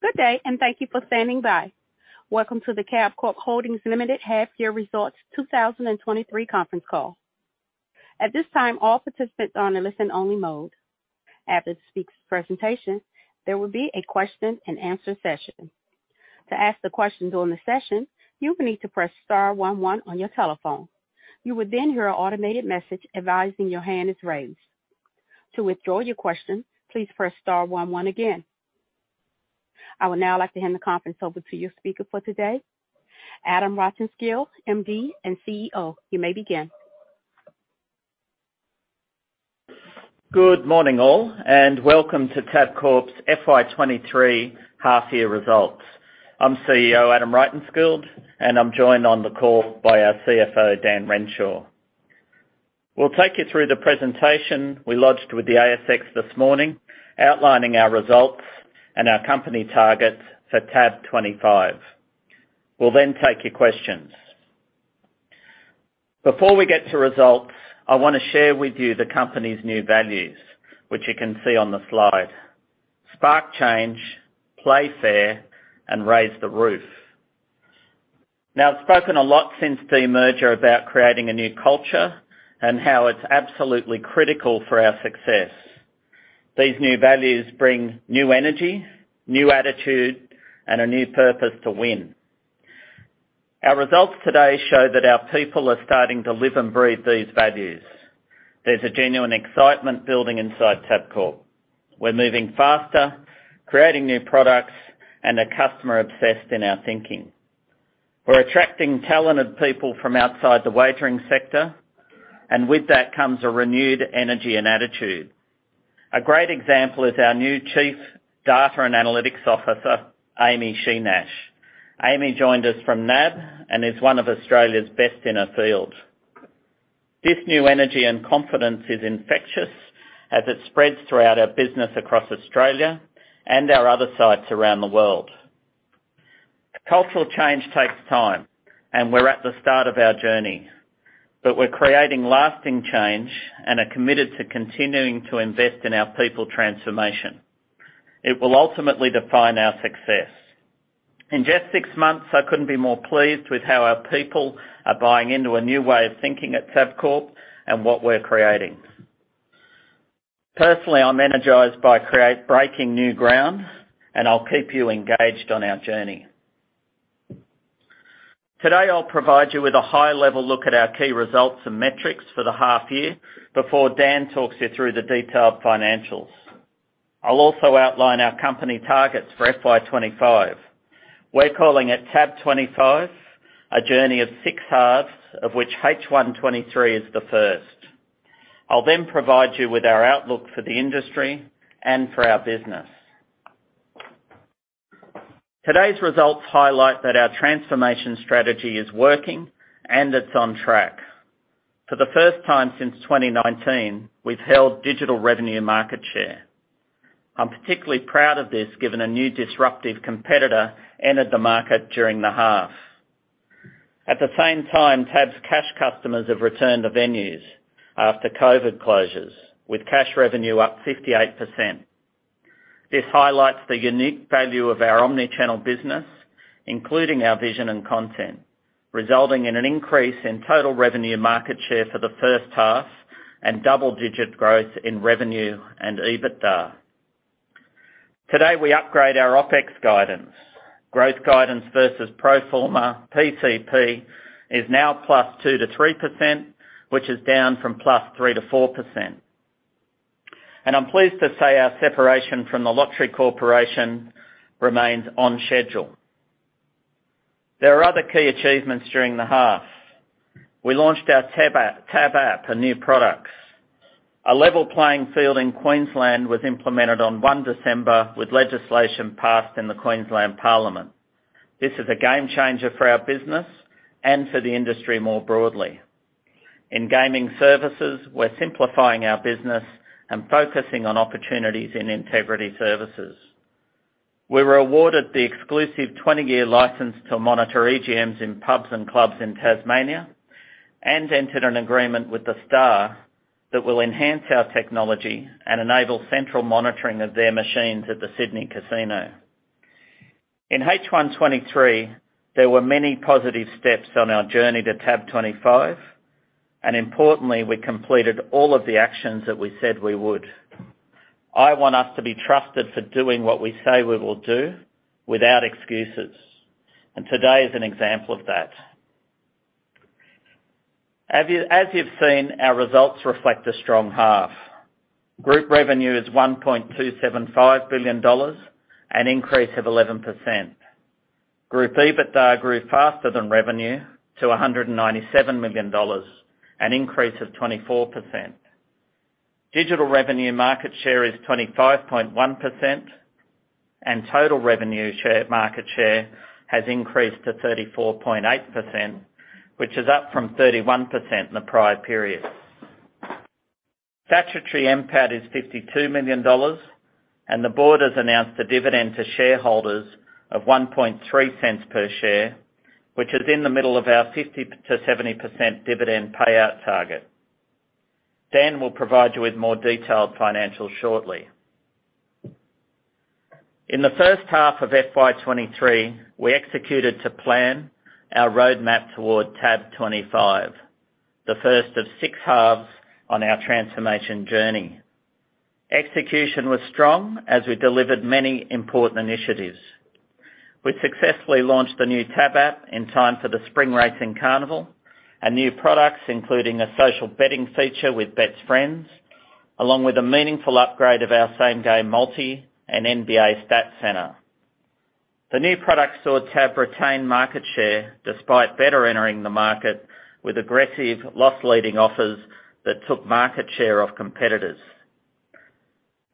Good day, and thank you for standing by. Welcome to the Tabcorp Holdings Limited half-year results 2023 conference call. At this time, all participants are on a listen-only mode. After the speaker's presentation, there will be a question-and-answer session. To ask the question during the session, you will need to press star one one on your telephone. You will then hear an automated message advising your hand is raised. To withdraw your question, please press star one one again. I would now like to hand the conference over to your speaker for today, Adam Rytenskild, MD and CEO. You may begin. Good morning, all, welcome to Tabcorp's FY 23 half-year results. I'm CEO Adam Rytenskild, and I'm joined on the call by our CFO, Dan Renshaw. We'll take you through the presentation we lodged with the ASX this morning, outlining our results and our company targets for TAB25. We'll take your questions. Before we get to results, I wanna share with you the company's new values, which you can see on the slide. Spark change, play fair, and raise the roof. I've spoken a lot since the merger about creating a new culture and how it's absolutely critical for our success. These new values bring new energy, new attitude, and a new purpose to win. Our results today show that our people are starting to live and breathe these values. There's a genuine excitement building inside Tabcorp. We're moving faster, creating new products, and are customer-obsessed in our thinking. We're attracting talented people from outside the wagering sector, and with that comes a renewed energy and attitude. A great example is our new Chief Data & Analytics Officer, Amy Shi-Nash. Amy joined us from NAB and is one of Australia's best in her field. This new energy and confidence is infectious as it spreads throughout our business across Australia and our other sites around the world. Cultural change takes time, and we're at the start of our journey, but we're creating lasting change and are committed to continuing to invest in our people transformation. It will ultimately define our success. In just six months, I couldn't be more pleased with how our people are buying into a new way of thinking at Tabcorp and what we're creating. Personally, I'm energized by breaking new ground. I'll keep you engaged on our journey. Today, I'll provide you with a high-level look at our key results and metrics for the half year before Dan talks you through the detailed financials. I'll also outline our company targets for FY25. We're calling it TAB25, a journey of six halves, of which H1 23 is the first. I'll provide you with our outlook for the industry and for our business. Today's results highlight that our transformation strategy is working and it's on track. For the first time since 2019, we've held digital revenue market share. I'm particularly proud of this given a new disruptive competitor entered the market during the half. At the same time, TAB's cash customers have returned to venues after COVID closures, with cash revenue up 58%. This highlights the unique value of our omnichannel business, including our vision and content, resulting in an increase in total revenue market share for the first half and double-digit growth in revenue and EBITDA. Today, we upgrade our OpEx guidance. Growth guidance versus pro forma, PCP, is now +2%- 3%, which is down from +3%- 4%. I'm pleased to say our separation from The Lottery Corporation remains on schedule. There are other key achievements during the half. We launched our TAB app and new products. A level playing field in Queensland was implemented on 1 December with legislation passed in the Queensland Parliament. This is a game-changer for our business and for the industry more broadly. In Gaming Services, we're simplifying our business and focusing on opportunities in Integrity Services. We were awarded the exclusive 20-year license to monitor EGMs in pubs and clubs in Tasmania and entered an agreement with The Star that will enhance our technology and enable central monitoring of their machines at the Sydney Casino. In H1 2023, there were many positive steps on our journey to TAB25, importantly, we completed all of the actions that we said we would. I want us to be trusted for doing what we say we will do without excuses, today is an example of that. As you've seen, our results reflect a strong half. Group revenue is 1.275 billion dollars, an increase of 11%. Group EBITDA grew faster than revenue to 197 million dollars, an increase of 24%. Digital revenue market share is 25.1%. Total revenue market share has increased to 34.8%, which is up from 31% in the prior period. Statutory NPAT is 52 million dollars. The board has announced a dividend to shareholders of 0.013 per share, which is in the middle of our 50%-70% dividend payout target. Dan will provide you with more detailed financials shortly. In the 1st half of FY23, we executed to plan our roadmap toward TAB25, the 1st of six halves on our transformation journey. Execution was strong as we delivered many important initiatives. We successfully launched the new TAB app in time for the spring racing carnival, new products, including a social betting feature with BetFriends, along with a meaningful upgrade of our Same Game Multi and NBA Stat Center. The new product saw TAB retain market share despite Betr entering the market with aggressive loss-leading offers that took market share of competitors.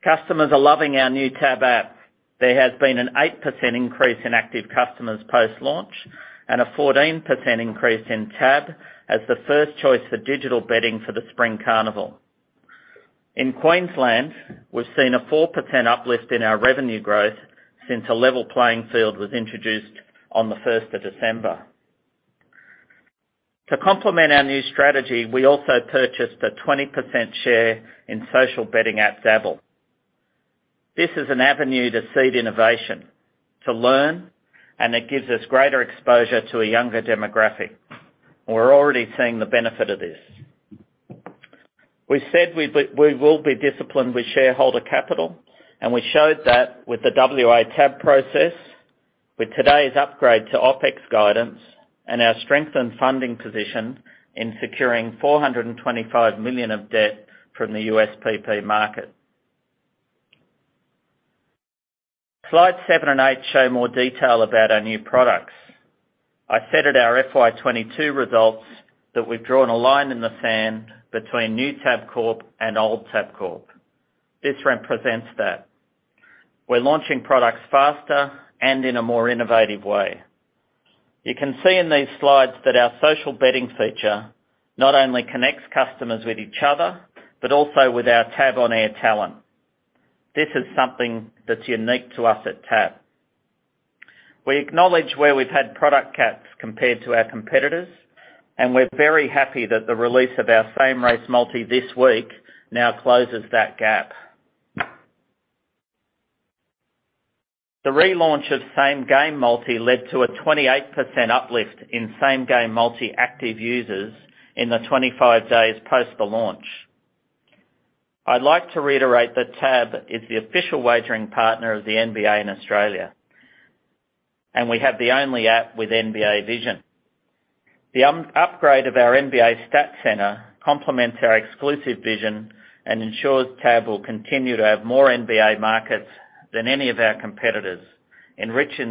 Customers are loving our new TAB app. There has been an 8% increase in active customers post-launch, and a 14% increase in TAB as the first choice for digital betting for the spring carnival. In Queensland, we've seen a 4% uplift in our revenue growth since a level playing field was introduced on the 1st of December. To complement our new strategy, we also purchased a 20% share in social betting app, Dabble. This is an avenue to seed innovation, to learn, and it gives us greater exposure to a younger demographic. We're already seeing the benefit of this. We said we will be disciplined with shareholder capital, and we showed that with the WA TAB process, with today's upgrade to OpEx guidance, and our strengthened funding position in securing $425 million of debt from the USPP market. Slide seven and eight show more detail about our new products. I said at our FY22 results that we've drawn a line in the sand between new Tabcorp and old Tabcorp. This represents that. We're launching products faster and in a more innovative way. You can see in these slides that our social betting feature not only connects customers with each other, but also with our TAB On-Air talent. This is something that's unique to us at TAB. We acknowledge where we've had product gaps compared to our competitors. We're very happy that the release of our Same Race Multi this week now closes that gap. The relaunch of Same Game Multi led to a 28% uplift in Same Game Multi active users in the 25 days post the launch. I'd like to reiterate that TAB is the official wagering partner of the NBA in Australia, and we have the only app with NBA Vision. The upgrade of our NBA Stat Center complements our exclusive vision and ensures TAB will continue to have more NBA markets than any of our competitors, enriching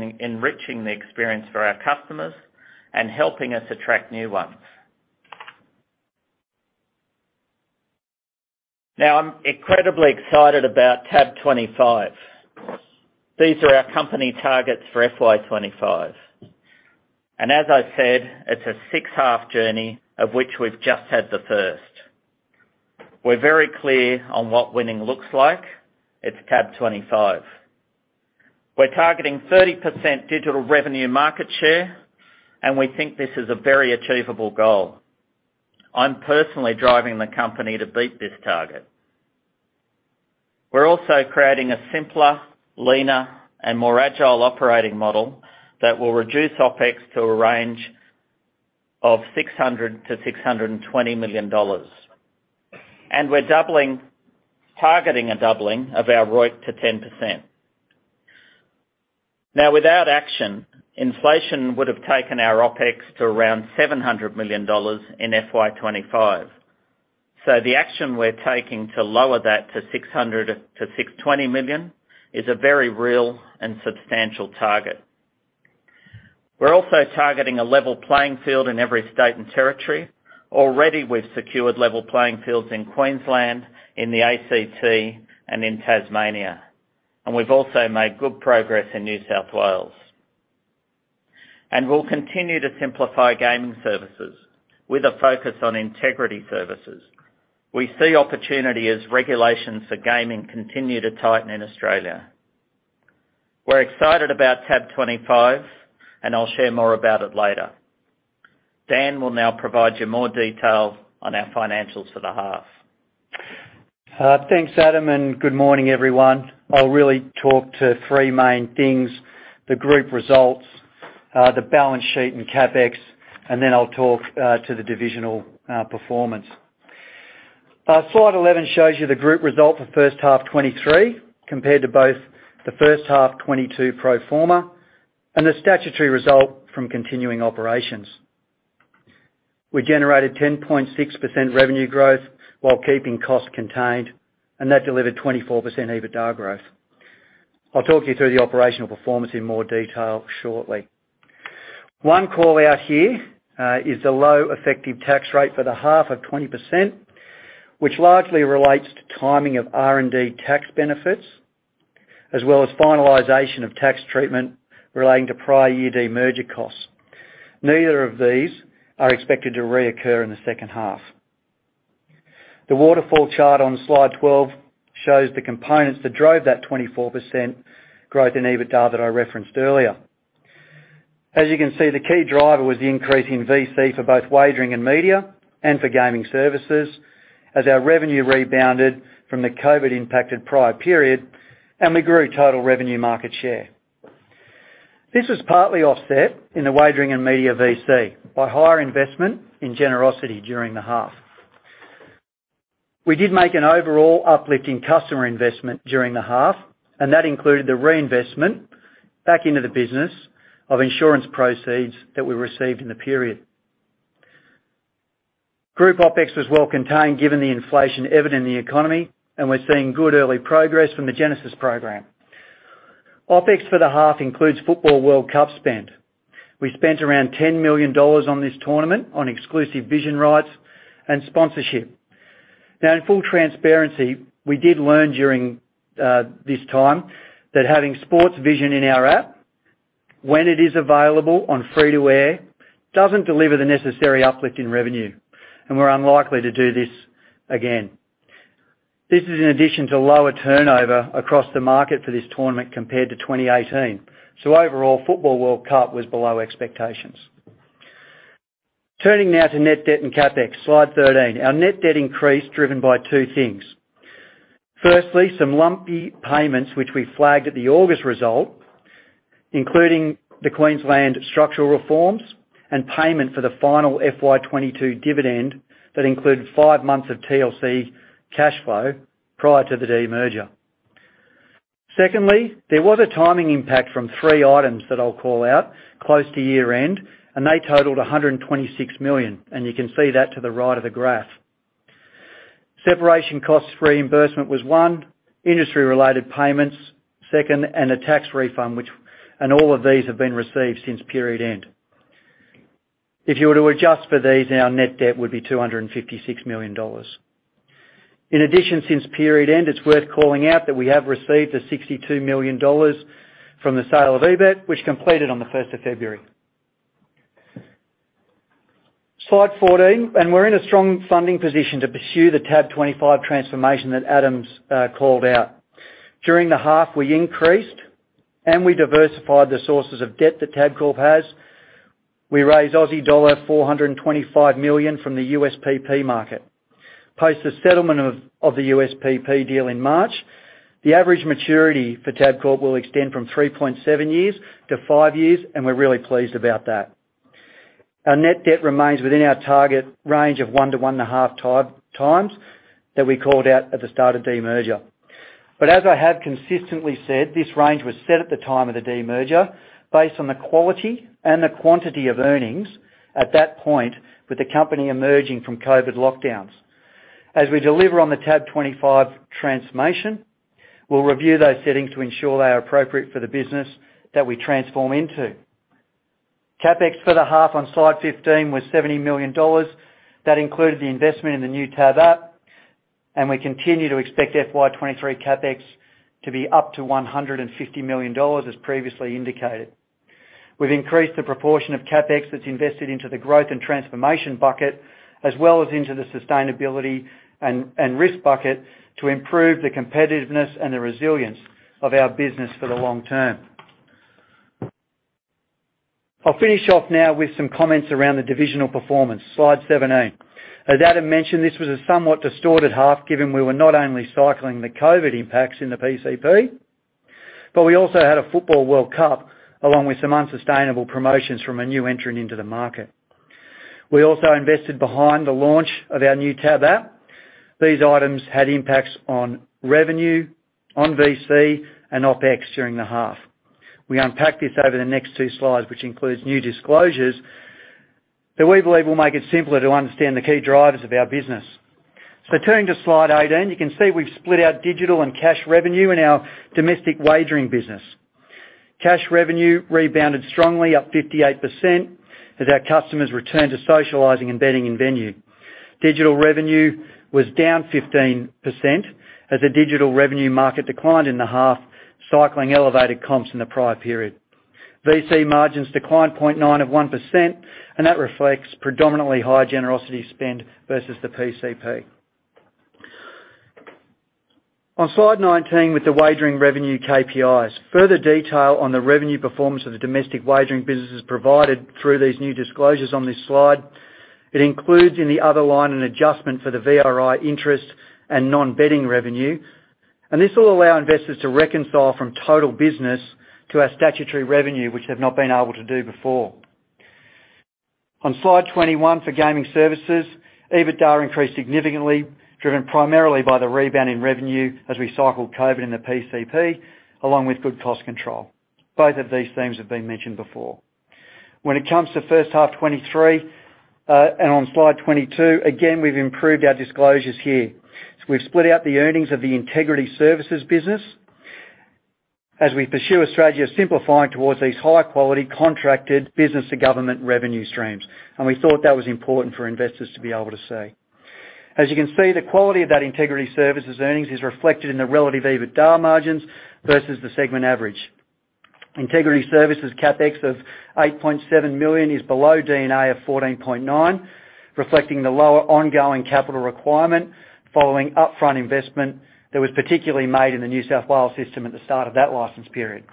the experience for our customers and helping us attract new ones. I'm incredibly excited about TAB25. These are our company targets for FY25, and as I said, it's a six-half journey of which we've just had the first. We're very clear on what winning looks like. It's TAB25. We're targeting 30% digital revenue market share. We think this is a very achievable goal. I'm personally driving the company to beat this target. We're also creating a simpler, leaner, and more agile operating model that will reduce OpEx to a range of $600 million-$620 million. We're doubling, targeting a doubling of our ROIC to 10%. Now, without action, inflation would have taken our OpEx to around $700 million in FY25. The action we're taking to lower that to $600 million-$620 million is a very real and substantial target. We're also targeting a level playing field in every state and territory. Already, we've secured level playing fields in Queensland, in the ACT, and in Tasmania. We've also made good progress in New South Wales. We'll continue to simplify Gaming Services with a focus on Integrity Services. We see opportunity as regulations for gaming continue to tighten in Australia. We're excited about TAB25, and I'll share more about it later. Dan will now provide you more detail on our financials for the half. Thanks, Adam, good morning, everyone. I'll really talk to three main things, the group results, the balance sheet and CapEx, and then I'll talk to the divisional performance. Slide 11 shows you the group result for first half 2023 compared to both the first half 2022 pro forma and the statutory result from continuing operations. We generated 10.6% revenue growth while keeping costs contained, and that delivered 24% EBITDA growth. I'll talk you through the operational performance in more detail shortly. One call-out here is the low effective tax rate for the half of 20%, which largely relates to timing of R&D tax benefits, as well as finalization of tax treatment relating to prior year demerger costs. Neither of these are expected to reoccur in the second half. The waterfall chart on slide 12 shows the components that drove that 24% growth in EBITDA that I referenced earlier. You can see, the key driver was the increase in VC for both Wagering and Media and for Gaming Services, as our revenue rebounded from the COVID-impacted prior period, and we grew total revenue market share. This was partly offset in the Wagering and Media VC by higher investment in generosity during the half. We did make an overall uplift in customer investment during the half, and that included the reinvestment back into the business of insurance proceeds that we received in the period. Group OpEx was well contained given the inflation evident in the economy, and we're seeing good early progress from the Genesis program. OpEx for the half includes Football World Cup spend. We spent around 10 million dollars on this tournament on exclusive vision rights and sponsorship. In full transparency, we did learn during this time that having sports vision in our app when it is available on free to air doesn't deliver the necessary uplift in revenue, and we're unlikely to do this again. This is in addition to lower turnover across the market for this tournament compared to 2018. Overall, Football World Cup was below expectations. Turning now to net debt and CapEx. Slide 13. Our net debt increased, driven by two things. Firstly, some lumpy payments which we flagged at the August result, including the Queensland structural reforms and payment for the final FY22 dividend that included five months of TLC cash flow prior to the demerger. Secondly, there was a timing impact from three items that I'll call out close to year-end. They totaled 126 million, and you can see that to the right of the graph. Separation costs reimbursement was one, industry-related payments second, a tax refund. All of these have been received since period end. If you were to adjust for these, our net debt would be 256 million dollars. In addition, since period end, it's worth calling out that we have received the 62 million dollars from the sale of eBet, which completed on the 1st of February. Slide 14. We're in a strong funding position to pursue the TAB25 transformation that Adam's called out. During the half, we increased, we diversified the sources of debt that Tabcorp has. We raised Aussie dollar 425 million from the USPP market. Post the settlement of the USPP deal in March, the average maturity for Tabcorp will extend from 3.7 years to five years, and we're really pleased about that. Our net debt remains within our target range of 1x-1.5x that we called out at the start of demerger. As I have consistently said, this range was set at the time of the demerger based on the quality and the quantity of earnings at that point with the company emerging from COVID lockdowns. As we deliver on the TAB25 transformation, we'll review those settings to ensure they are appropriate for the business that we transform into. CapEx for the half on slide 15 was 70 million dollars. That included the investment in the new TAB app. We continue to expect FY23 CapEx to be up to 150 million dollars, as previously indicated. We've increased the proportion of CapEx that's invested into the growth and transformation bucket as well as into the sustainability and risk bucket to improve the competitiveness and the resilience of our business for the long term. I'll finish off now with some comments around the divisional performance. Slide 17. As Adam mentioned, this was a somewhat distorted half, given we were not only cycling the COVID impacts in the PCP, but we also had a Football World Cup, along with some unsustainable promotions from a new entrant into the market. We also invested behind the launch of our new TAB app. These items had impacts on revenue, on VC, and OpEx during the half. We unpack this over the next two slides, which includes new disclosures that we believe will make it simpler to understand the key drivers of our business. Turning to slide 18, you can see we've split our digital and cash revenue in our domestic wagering business. Cash revenue rebounded strongly, up 58%, as our customers returned to socializing and betting in venue. Digital revenue was down 15% as the digital revenue market declined in the half, cycling elevated comps in the prior period. VC margins declined 0.9 of 1%, that reflects predominantly high generosity spend versus the PCP. On slide 19, with the wagering revenue KPIs. Further detail on the revenue performance of the domestic wagering business is provided through these new disclosures on this slide. It includes in the other line an adjustment for the VRI interest and non-betting revenue. This will allow investors to reconcile from total business to our statutory revenue, which they've not been able to do before. On slide 21 for Gaming Services, EBITDA increased significantly, driven primarily by the rebound in revenue as we cycle COVID in the PCP, along with good cost control. Both of these themes have been mentioned before. When it comes to first half 2023, on slide 22, again, we've improved our disclosures here. We've split out the earnings of the Integrity Services business as we pursue a strategy of simplifying towards these high-quality contracted business-to-government revenue streams. We thought that was important for investors to be able to see. As you can see, the quality of that Integrity Services earnings is reflected in the relative EBITDA margins versus the segment average. Integrity Services CapEx of 8.7 million is below D&A of 14.9 million. Reflecting the lower ongoing capital requirement following upfront investment that was particularly made in the New South Wales system at the start of that license period.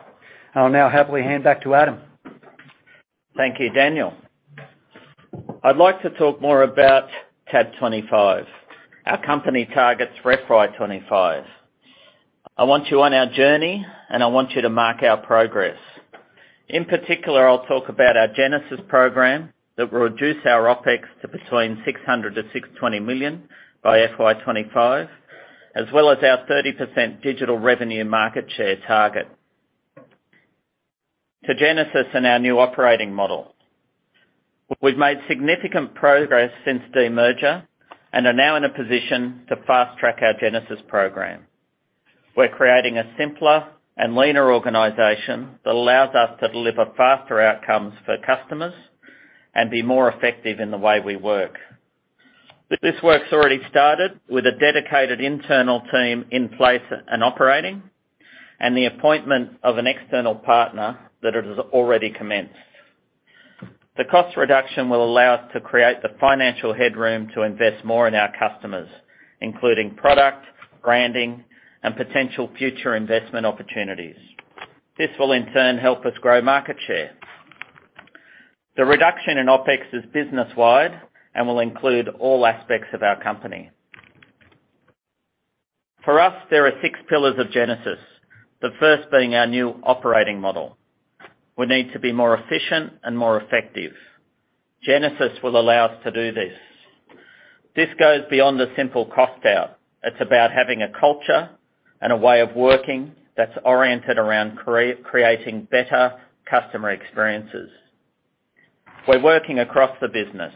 I'll now happily hand back to Adam. Thank you, Daniel. I'd like to talk more about TAB25, our company targets for FY25. I want you on our journey, and I want you to mark our progress. In particular, I'll talk about our Genesis program that will reduce our OpEx to between 600 million-620 million by FY25, as well as our 30% digital revenue market share target. To Genesis and our new operating model. We've made significant progress since demerger and are now in a position to fast-track our Genesis program. We're creating a simpler and leaner organization that allows us to deliver faster outcomes for customers and be more effective in the way we work. This work's already started with a dedicated internal team in place and operating, and the appointment of an external partner that it has already commenced. The cost reduction will allow us to create the financial headroom to invest more in our customers, including product, branding, and potential future investment opportunities. This will, in turn, help us grow market share. The reduction in OpEx is business-wide and will include all aspects of our company. For us, there are six pillars of Genesis, the first being our new operating model. We need to be more efficient and more effective. Genesis will allow us to do this. This goes beyond a simple cost out. It's about having a culture and a way of working that's oriented around creating better customer experiences. We're working across the business.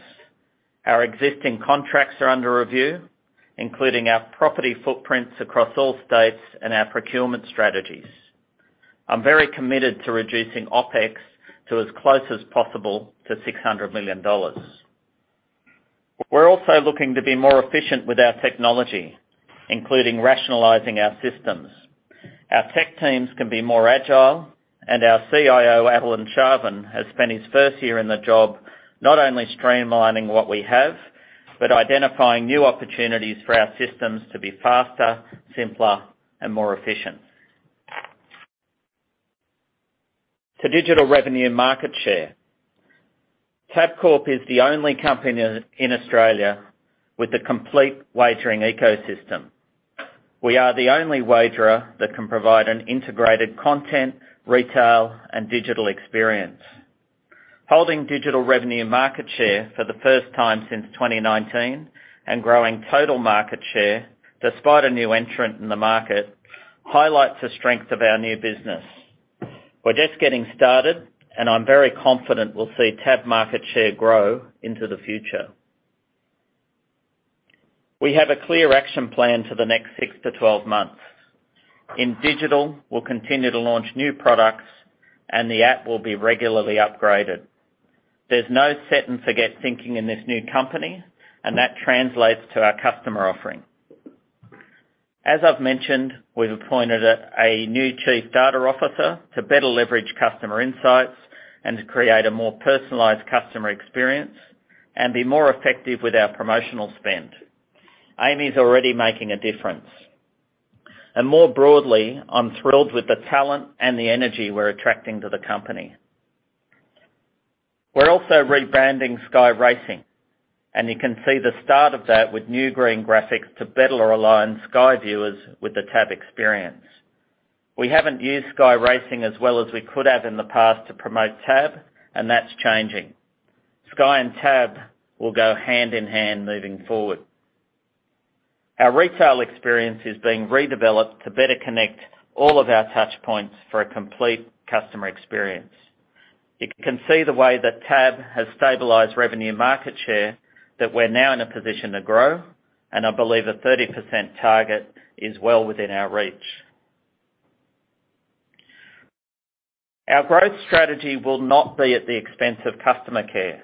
Our existing contracts are under review, including our property footprints across all states and our procurement strategies. I'm very committed to reducing OpEx to as close as possible to 600 million dollars. We're also looking to be more efficient with our technology, including rationalizing our systems. Our tech teams can be more agile, and our CIO, Alan Sharvin, has spent his first year in the job not only streamlining what we have, but identifying new opportunities for our systems to be faster, simpler, and more efficient. To digital revenue market share. Tabcorp is the only company in Australia with a complete wagering ecosystem. We are the only wagerer that can provide an integrated content, retail, and digital experience. Holding digital revenue market share for the first time since 2019 and growing total market share despite a new entrant in the market highlights the strength of our new business. We're just getting started, and I'm very confident we'll see TAB market share grow into the future. We have a clear action plan for the next 6months-12 months. In digital, we'll continue to launch new products and the app will be regularly upgraded. There's no set and forget thinking in this new company. That translates to our customer offering. As I've mentioned, we've appointed a new Chief Data Officer to better leverage customer insights and to create a more personalized customer experience and be more effective with our promotional spend. Amy's already making a difference. More broadly, I'm thrilled with the talent and the energy we're attracting to the company. We're also rebranding Sky Racing. You can see the start of that with new green graphics to better align Sky viewers with the TAB experience. We haven't used Sky Racing as well as we could have in the past to promote TAB. That's changing. Sky and TAB will go hand in hand moving forward. Our retail experience is being redeveloped to better connect all of our touch points for a complete customer experience. You can see the way that TAB has stabilized revenue market share, that we're now in a position to grow, and I believe a 30% target is well within our reach. Our growth strategy will not be at the expense of customer care.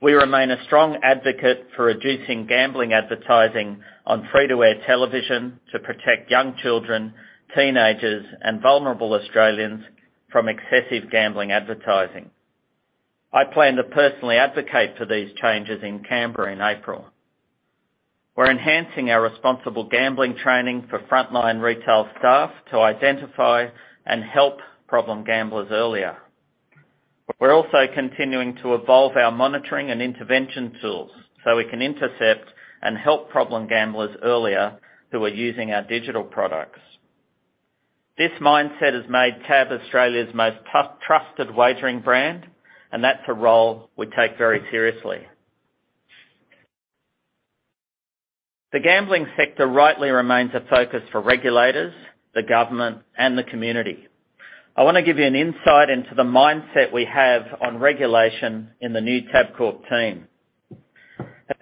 We remain a strong advocate for reducing gambling advertising on free-to-air television to protect young children, teenagers, and vulnerable Australians from excessive gambling advertising. I plan to personally advocate for these changes in Canberra in April. We're enhancing our responsible gambling training for frontline retail staff to identify and help problem gamblers earlier. We're also continuing to evolve our monitoring and intervention tools so we can intercept and help problem gamblers earlier who are using our digital products. This mindset has made TAB Australia's most trusted wagering brand, that's a role we take very seriously. The gambling sector rightly remains a focus for regulators, the government, and the community. I want to give you an insight into the mindset we have on regulation in the new Tabcorp team.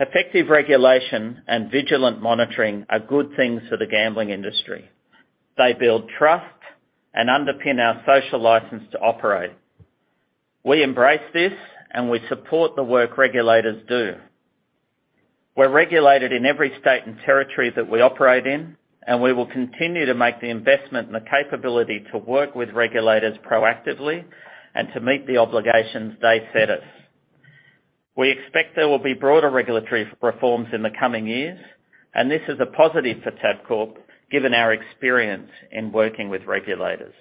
Effective regulation and vigilant monitoring are good things for the gambling industry. They build trust and underpin our social license to operate. We embrace this, we support the work regulators do. We're regulated in every state and territory that we operate in, we will continue to make the investment and the capability to work with regulators proactively and to meet the obligations they set us. We expect there will be broader regulatory reforms in the coming years, this is a positive for Tabcorp, given our experience in working with regulators.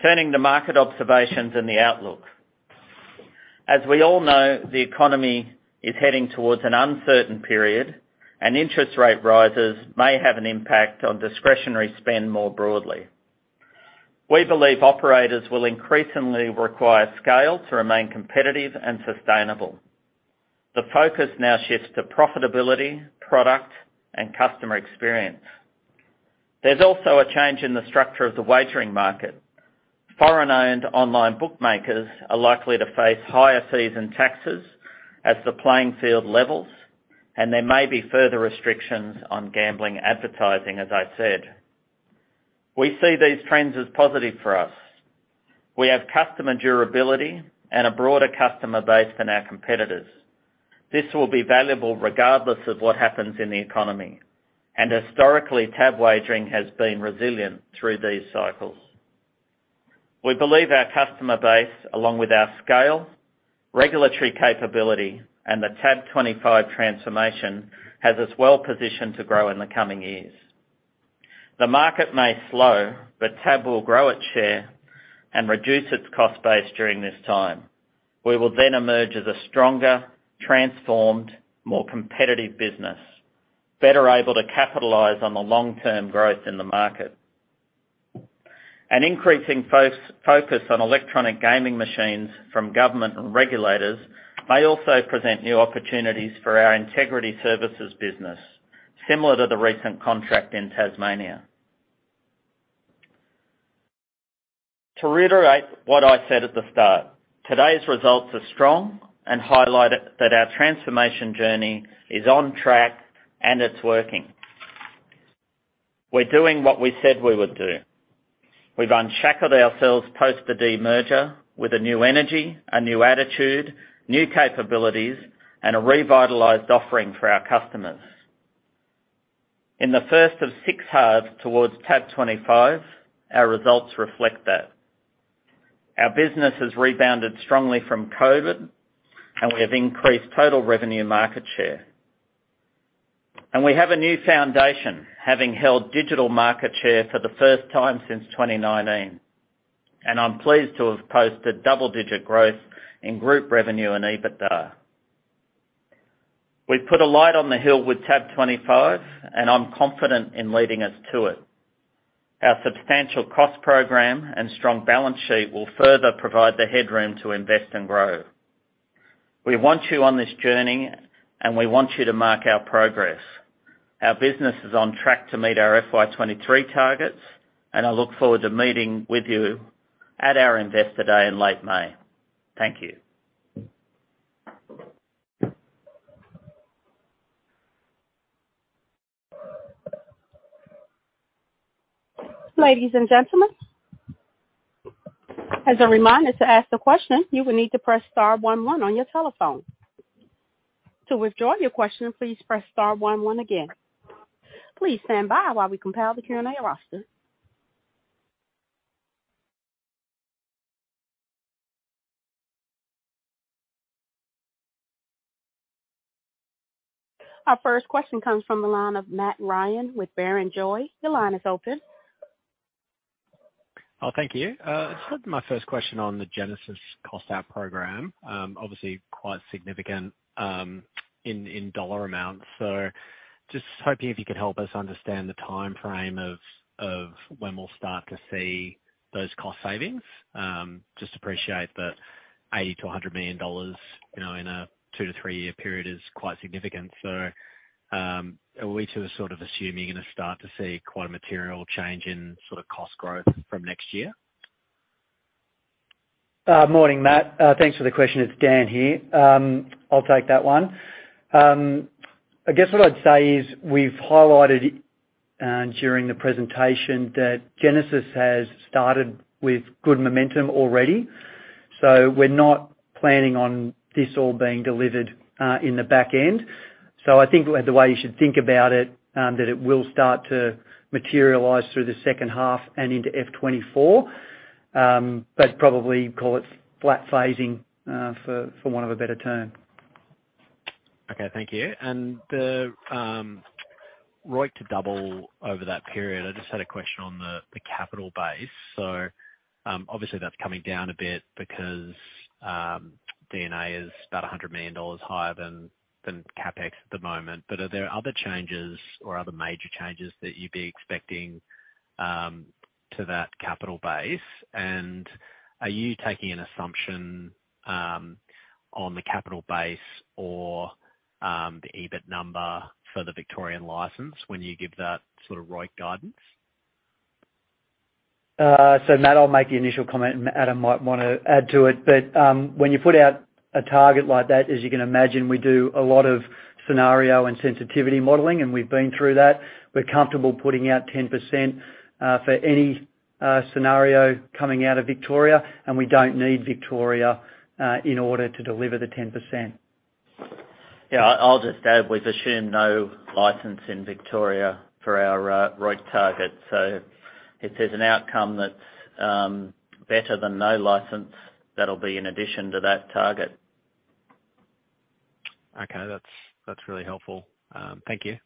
Turning to market observations and the outlook. As we all know, the economy is heading towards an uncertain period, and interest rate rises may have an impact on discretionary spend more broadly. We believe operators will increasingly require scale to remain competitive and sustainable. The focus now shifts to profitability, product, and customer experience. There's also a change in the structure of the wagering market. Foreign-owned online bookmakers are likely to face higher season taxes as the playing field levels, and there may be further restrictions on gambling advertising, as I said. We see these trends as positive for us. We have customer durability and a broader customer base than our competitors. This will be valuable regardless of what happens in the economy. Historically, TAB wagering has been resilient through these cycles. We believe our customer base, along with our scale, regulatory capability, and the TAB25 transformation, has us well positioned to grow in the coming years. TAB will grow its share and reduce its cost base during this time. We will emerge as a stronger, transformed, more competitive business, better able to capitalize on the long-term growth in the market. An increasing focus on Electronic Gaming Machines from government and regulators may also present new opportunities for our Integrity Services business, similar to the recent contract in Tasmania. To reiterate what I said at the start, today's results are strong and highlight that our transformation journey is on track and it's working. We're doing what we said we would do. We've unshackled ourselves post the demerger with a new energy, a new attitude, new capabilities, and a revitalized offering for our customers. In the first of 6 halves towards TAB25, our results reflect that. Our business has rebounded strongly from COVID, and we have increased total revenue market share. We have a new foundation, having held digital market share for the first time since 2019, and I'm pleased to have posted double-digit growth in group revenue and EBITDA. We've put a light on the hill with TAB25, and I'm confident in leading us to it. Our substantial cost program and strong balance sheet will further provide the headroom to invest and grow. We want you on this journey, and we want you to mark our progress. Our business is on track to meet our FY23 targets, and I look forward to meeting with you at our Investor Day in late May. Thank you. Ladies and gentlemen, as a reminder to ask the question, you will need to press star one one on your telephone. To withdraw your question, please press star one one again. Please stand by while we compile the Q&A roster. Our first question comes from the line of Matt Ryan with Barrenjoey. Your line is open. Thank you. I had my first question on the Genesis cost out program, obviously quite significant in dollar amounts. Just hoping if you could help us understand the timeframe of when we'll start to see those cost savings. Just appreciate that 80 million-100 million dollars, you know, in a 2years-3year period is quite significant. Are we to sort of assuming you're gonna start to see quite a material change in sort of cost growth from next year? Morning, Matt. Thanks for the question. It's Dan here. I'll take that one. I guess what I'd say is we've highlighted during the presentation that Genesis has started with good momentum already. We're not planning on this all being delivered in the back end. I think the way you should think about it, that it will start to materialize through the second half and into F 2024. Probably call it flat phasing for want of a better term. Okay. Thank you. The, ROIC to double over that period, I just had a question on the capital base. Obviously, that's coming down a bit because, D&A is about 100 million dollars higher than CapEx at the moment. Are there other changes or other major changes that you'd be expecting, to that capital base? Are you taking an assumption, on the capital base or, the EBIT number for the Victorian license when you give that sort of ROIC guidance? Matt, I'll make the initial comment, and Adam might wanna add to it. When you put out a target like that, as you can imagine, we do a lot of scenario and sensitivity modeling, and we've been through that. We're comfortable putting out 10% for any scenario coming out of Victoria, we don't need Victoria, in order to deliver the 10%. Yeah, I'll just add, we've assumed no license in Victoria for our ROIC target. If there's an outcome that's better than no license, that'll be in addition to that target. Okay. That's really helpful. Thank you.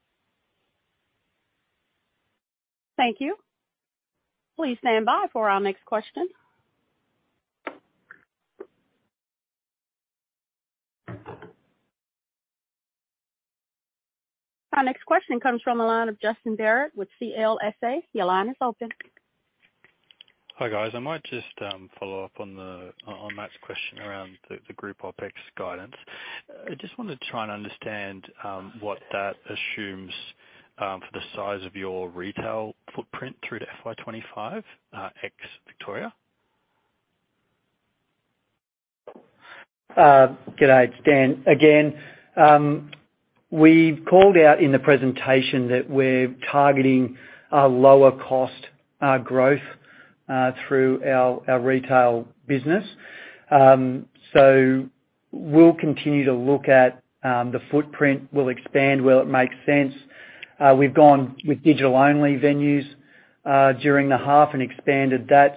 Thank you. Please stand by for our next question. Our next question comes from the line of Justin Barratt with CLSA. Your line is open. Hi, guys. I might just follow up on Matt's question around the group OpEx guidance. I just wanna try and understand what that assumes for the size of your retail footprint through to FY25, ex Victoria. Good day. It's Dan. Again, we've called out in the presentation that we're targeting a lower cost growth through our retail business. We'll continue to look at the footprint. We'll expand where it makes sense. We've gone with digital-only venues during the half and expanded that.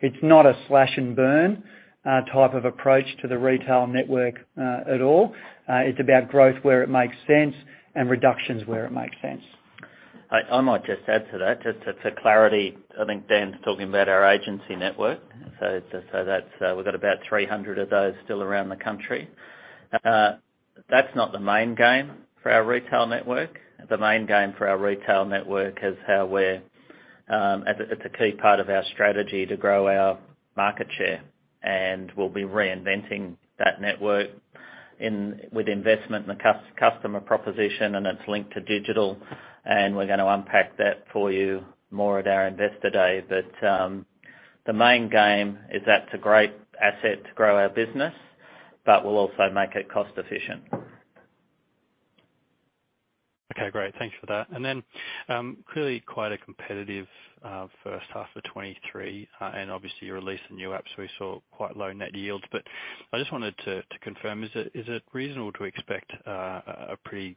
It's not a slash and burn type of approach to the retail network at all. It's about growth where it makes sense and reductions where it makes sense. I might just add to that. Just for clarity, I think Dan's talking about our agency network. That's, we've got about 300 of those still around the country. That's not the main game for our retail network. The main game for our retail network is how we're. It's a key part of our strategy to grow our market share, and we'll be reinventing that network with investment in the customer proposition, and it's linked to digital, and we're gonna unpack that for you more at our investor day. The main game is that's a great asset to grow our business, but we'll also make it cost efficient. Okay, great. Thanks for that. Clearly quite a competitive first half of 2023. Obviously you released the new apps, so we saw quite low net yields. I just wanted to confirm. Is it reasonable to expect a pretty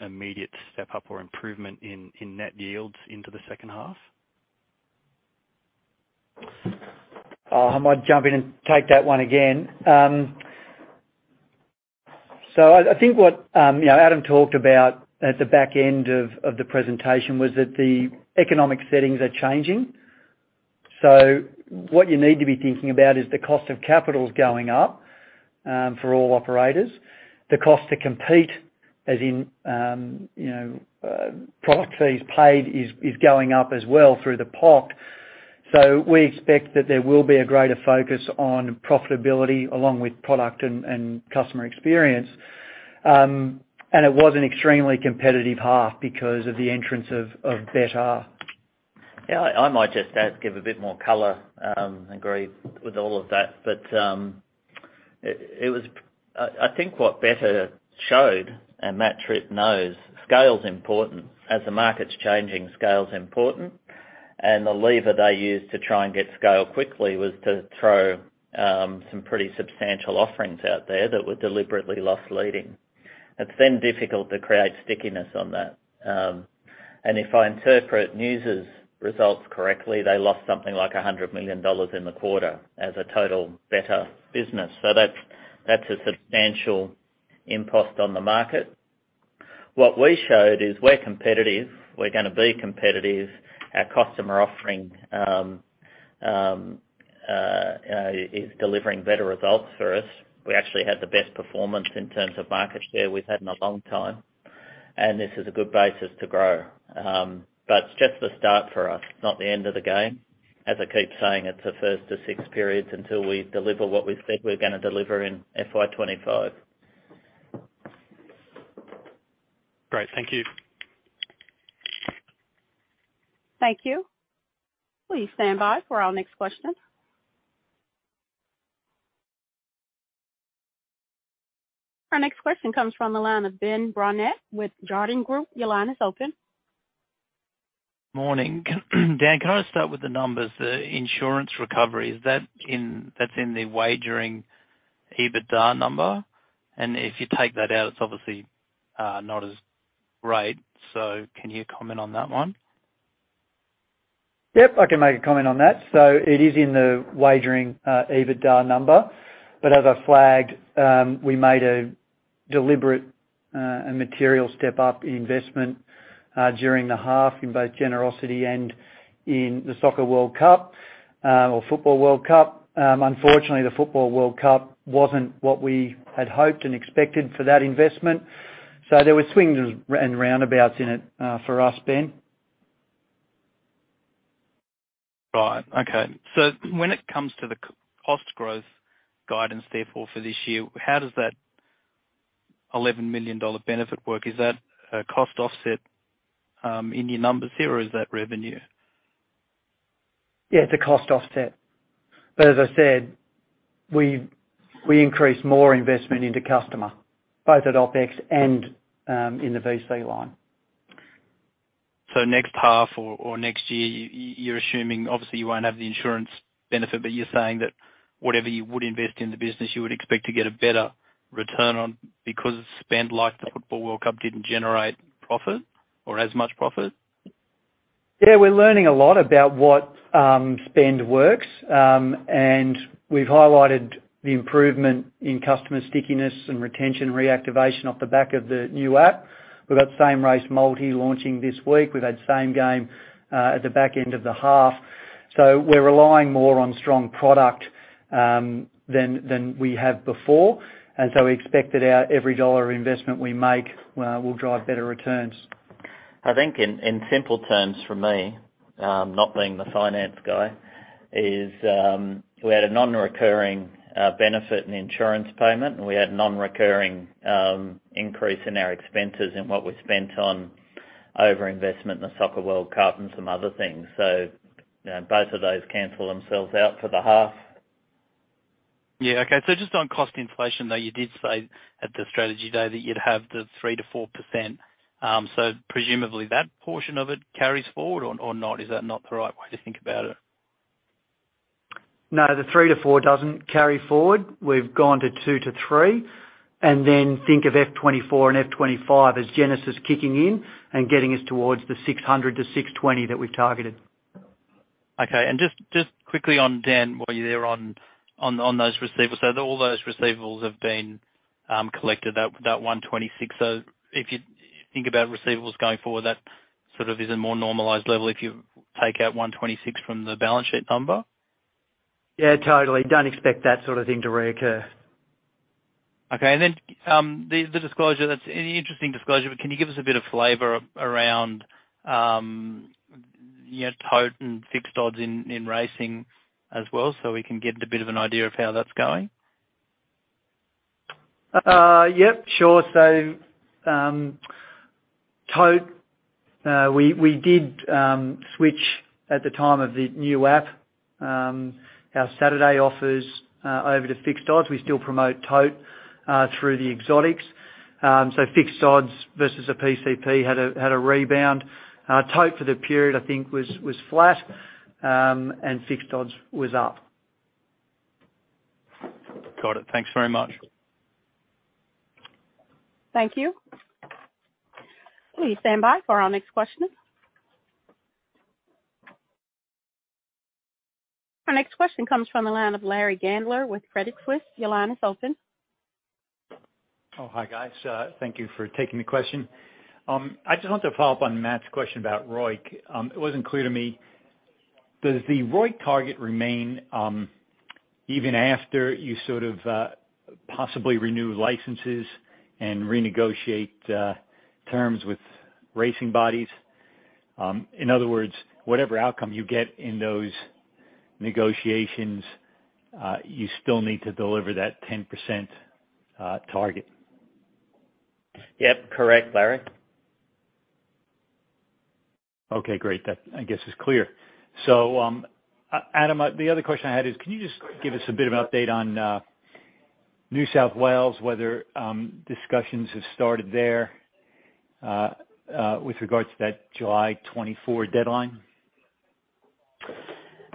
immediate step-up or improvement in net yields into the second half? I might jump in and take that one again. I think what, you know, Adam Rytenskild talked about at the back end of the presentation was that the economic settings are changing. What you need to be thinking about is the cost of capital is going up for all operators. The cost to compete, as in, you know, product fees paid is going up as well through the POC. We expect that there will be a greater focus on profitability along with product and customer experience. It was an extremely competitive half because of the entrance of Betr. Yeah, I might just add, give a bit more color. Agree with all of that. It was I think what Betr showed, and Matt Tripp knows, scale is important. As the market is changing, scale is important. The lever they used to try and get scale quickly was to throw, some pretty substantial offerings out there that were deliberately loss-leading. It is then difficult to create stickiness on that. If I interpret News Corp's results correctly, they lost something like 100 million dollars in the quarter as a total Betr business. That is a substantial impost on the market. What we showed is we are competitive. We are gonna be competitive. Our customer offering is delivering better results for us. We actually had the best performance in terms of market share we've had in a long time, and this is a good basis to grow. It's just the start for us, not the end of the game. As I keep saying, it's the first of six periods until we deliver what we said we're gonna deliver in FY 25. Great. Thank you. Thank you. Please stand by for our next question. Our next question comes from the line of Ben Brownette with Jardine Group. Your line is open. Morning. Dan, can I start with the numbers, the insurance recovery? That's in the Wagering EBITDA number? If you take that out, it's obviously not as great. Can you comment on that one? Yep, I can make a comment on that. It is in the wagering, EBITDA number. As I flagged, we made a deliberate and material step up in investment during the half in both generosity and in the Soccer World Cup or Football World Cup. Unfortunately, the Football World Cup wasn't what we had hoped and expected for that investment. There were swings and roundabouts in it for us, Ben. Right. Okay. when it comes to the cost growth guidance, therefore, for this year, how does that 11 million dollar benefit work? Is that a cost offset in your numbers here, or is that revenue? Yeah, it's a cost offset. As I said, we increase more investment into customer, both at OpEx and in the VC line. Next half or next year, you're assuming obviously you won't have the insurance benefit, but you're saying that whatever you would invest in the business, you would expect to get a better return on because spend like the Football World Cup didn't generate profit or as much profit? Yeah, we're learning a lot about what spend works. We've highlighted the improvement in customer stickiness and retention reactivation off the back of the new app. We've got Same Race Multi launching this week. We've had Same Game at the back end of the half. We're relying more on strong product than we have before. We expect that our every dollar of investment we make will drive better returns. I think in simple terms from me, not being the finance guy, is, we had a non-recurring benefit and insurance payment, and we had non-recurring increase in our expenses and what we spent on over investment in the Soccer World Cup and some other things. You know, both of those cancel themselves out for the half. Yeah. Okay. Just on cost inflation, though, you did say at the strategy day that you'd have the 3%-4%. Presumably that portion of it carries forward or not? Is that not the right way to think about it? No, the 3-4 doesn't carry forward. We've gone to 2-3. Think of FY24 and FY25 as Genesis kicking in and getting us towards the 600-620 that we've targeted. Okay. Just quickly on, Dan, while you're there on those receivables. All those receivables have been collected, that $126. If you think about receivables going forward, that sort of is a more normalized level if you take out $126 from the balance sheet number? Yeah, totally. Don't expect that sort of thing to reoccur. Okay. The disclosure, that's an interesting disclosure, but can you give us a bit of flavor around, you know, tote and fixed odds in racing as well so we can get a bit of an idea of how that's going? Yep, sure. tote, we did switch at the time of the TAB app, our Saturday offers over to fixed odds. We still promote tote through the exotics. fixed odds versus a PCP had a rebound. tote for the period, I think was flat, and fixed odds was up. Got it. Thanks very much. Thank you. Please stand by for our next question. Our next question comes from the line of Larry Gandler with Credit Suisse. Your line is open. Hi, guys. Thank you for taking the question. I just want to follow up on Matt's question about ROIC. It wasn't clear to me. Does the ROIC target remain even after you sort of possibly renew licenses and renegotiate terms with racing bodies? In other words, whatever outcome you get in those negotiations, you still need to deliver that 10% target? Yep. Correct, Larry. Okay, great. That, I guess, is clear. Adam, the other question I had is, can you just give us a bit of update on New South Wales, whether discussions have started there with regards to that July 24 deadline?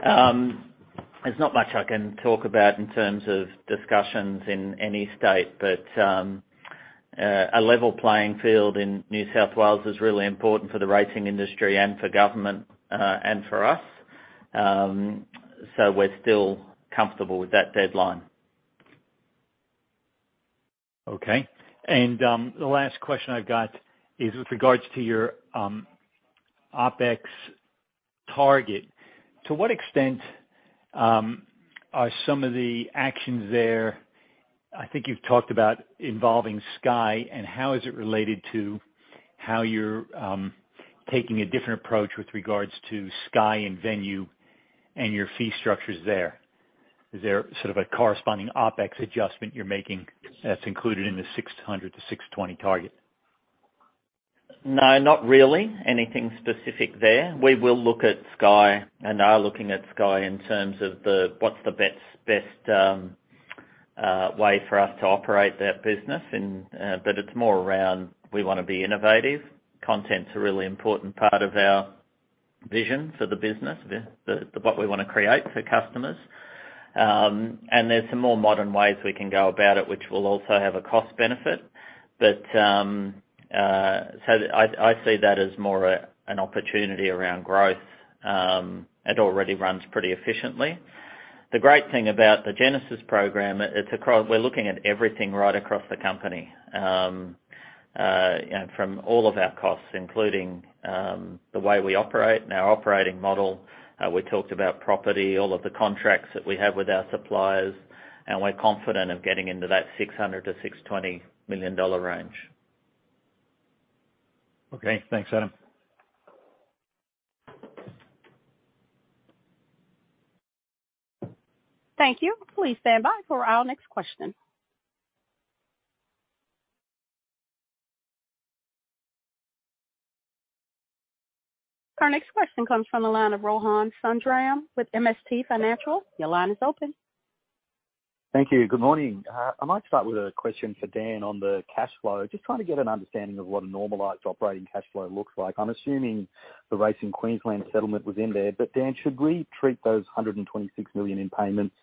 There's not much I can talk about in terms of discussions in any state, but a level playing field in New South Wales is really important for the racing industry and for government and for us. We're still comfortable with that deadline. Okay. The last question I've got is with regards to your OpEx target. To what extent are some of the actions there, I think you've talked about involving Sky, and how is it related to how you're taking a different approach with regards to Sky and venue and your fee structures there? Is there sort of a corresponding OpEx adjustment you're making that's included in the 600-620 target? No, not really anything specific there. We will look at Sky Racing and are looking at Sky Racing in terms of the what's the best way for us to operate that business. It's more around we wanna be innovative. Content's a really important part of our vision for the business, the what we wanna create for customers. There's some more modern ways we can go about it, which will also have a cost benefit. I see that as more an opportunity around growth. It already runs pretty efficiently. The great thing about the Genesis, we're looking at everything right across the company, you know, from all of our costs, including the way we operate and our operating model. We talked about property, all of the contracts that we have with our suppliers, and we're confident of getting into that $600 million-$620 million range. Okay. Thanks, Adam. Thank you. Please stand by for our next question. Our next question comes from the line of Rohan Sundram with MST Financial. Your line is open. Thank you. Good morning. I might start with a question for Dan on the cash flow. Just trying to get an understanding of what a normalized operating cash flow looks like. I'm assuming the race in Queensland settlement was in there. Dan, should we treat those 126 million in payments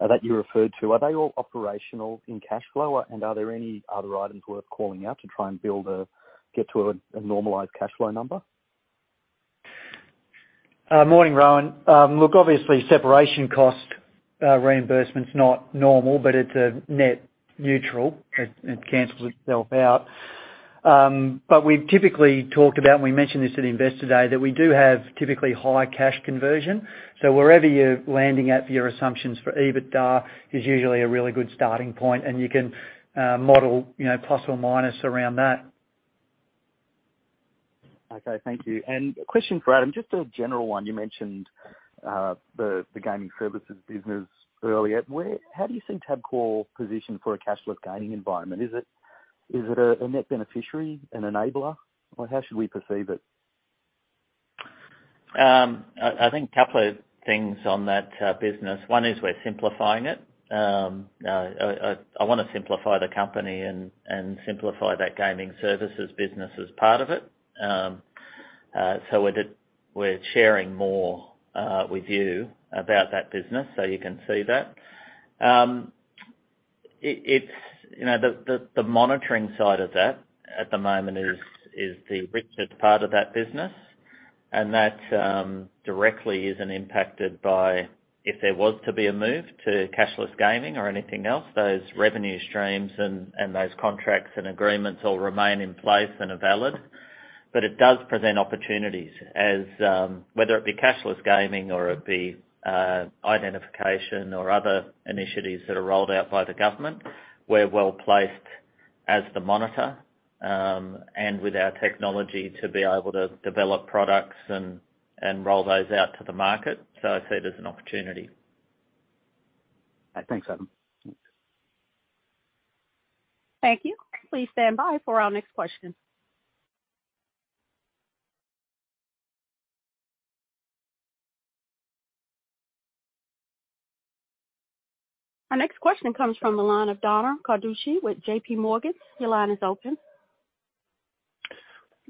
that you referred to? Are they all operational in cash flow? Are there any other items worth calling out to try and get to a normalized cash flow number? Morning, Rohan. Look, obviously, separation cost, reimbursement's not normal. It's a net neutral. It cancels itself out. We've typically talked about, and we mentioned this at Investor Day, that we do have typically high cash conversion. Wherever you're landing at for your assumptions for EBITDA is usually a really good starting point, and you can model, you know, plus or minus around that. Okay. Thank you. A question for Adam, just a general one. You mentioned the Gaming Services business earlier. How do you see Tabcorp positioned for a cashless gaming environment? Is it a net beneficiary, an enabler, or how should we perceive it? I think a couple of things on that business. One is we're simplifying it. I wanna simplify the company and simplify that Gaming Services business as part of it. We're sharing more with you about that business, so you can see that. It's, you know, the monitoring side of that at the moment is the richest part of that business. That directly isn't impacted by if there was to be a move to cashless gaming or anything else, those revenue streams and those contracts and agreements all remain in place and are valid. It does present opportunities as, whether it be cashless gaming or it be, identification or other initiatives that are rolled out by the government, we're well-placed as the monitor, and with our technology to be able to develop products and roll those out to the market. I see it as an opportunity. Thanks, Adam. Thank you. Please stand by for our next question. Our next question comes from the line of Don Carducci with J.P. Morgan. Your line is open.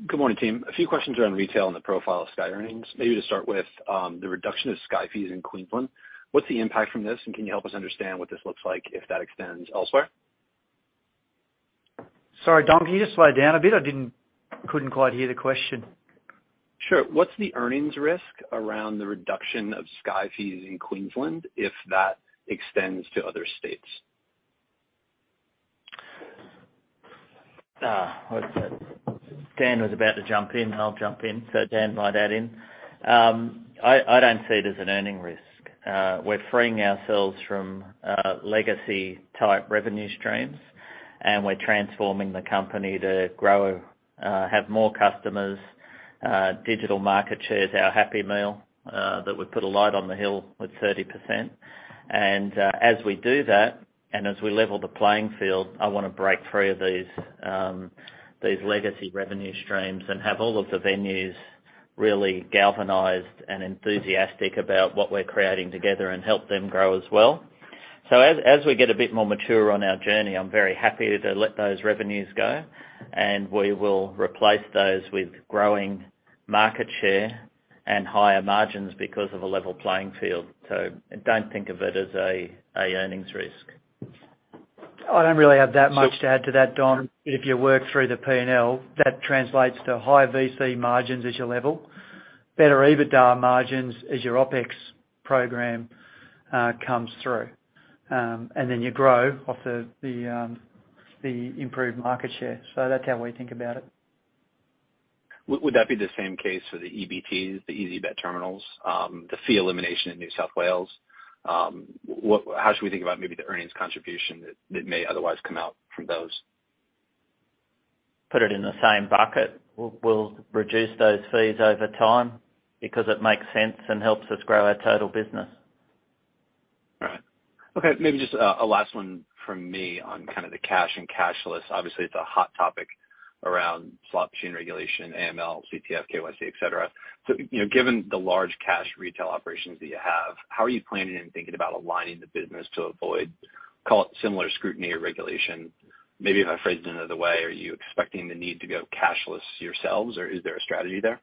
Good morning, team. A few questions around retail and the profile of Sky earnings. Maybe to start with, the reduction of Sky fees in Queensland. What's the impact from this, and can you help us understand what this looks like if that extends elsewhere? Sorry, Don, can you just slow down a bit? I didn't, couldn't quite hear the question. Sure. What's the earnings risk around the reduction of Sky fees in Queensland if that extends to other states? Dan was about to jump in. I'll jump in. Dan, might add in. I don't see it as an earning risk. We're freeing ourselves from legacy type revenue streams, and we're transforming the company to grow, have more customers. Digital market share is our Happy Meal that we've put a light on the hill with 30%. As we do that, and as we level the playing field, I wanna break free of these legacy revenue streams and have all of the venues really galvanized and enthusiastic about what we're creating together and help them grow as well. As we get a bit more mature on our journey, I'm very happy to let those revenues go, and we will replace those with growing market share and higher margins because of a level playing field. I don't think of it as a earnings risk. I don't really have that much to add to that, Don. If you work through the P&L, that translates to higher VC margins as your level, better EBITDA margins as your OpEx program, comes through. Then you grow off the improved market share. That's how we think about it. Would that be the same case for the EBTs, the EasyBet Terminals, the fee elimination in New South Wales? How should we think about maybe the earnings contribution that may otherwise come out from those? Put it in the same bucket. We'll reduce those fees over time because it makes sense and helps us grow our total business. All right. Okay, maybe just a last one from me on kind of the cash and cashless. Obviously, it's a hot topic around slot machine regulation, AML, CTF, KYC, et cetera. You know, given the large cash retail operations that you have, how are you planning and thinking about aligning the business to avoid, call it, similar scrutiny or regulation? Maybe if I phrased it another way, are you expecting the need to go cashless yourselves, or is there a strategy there?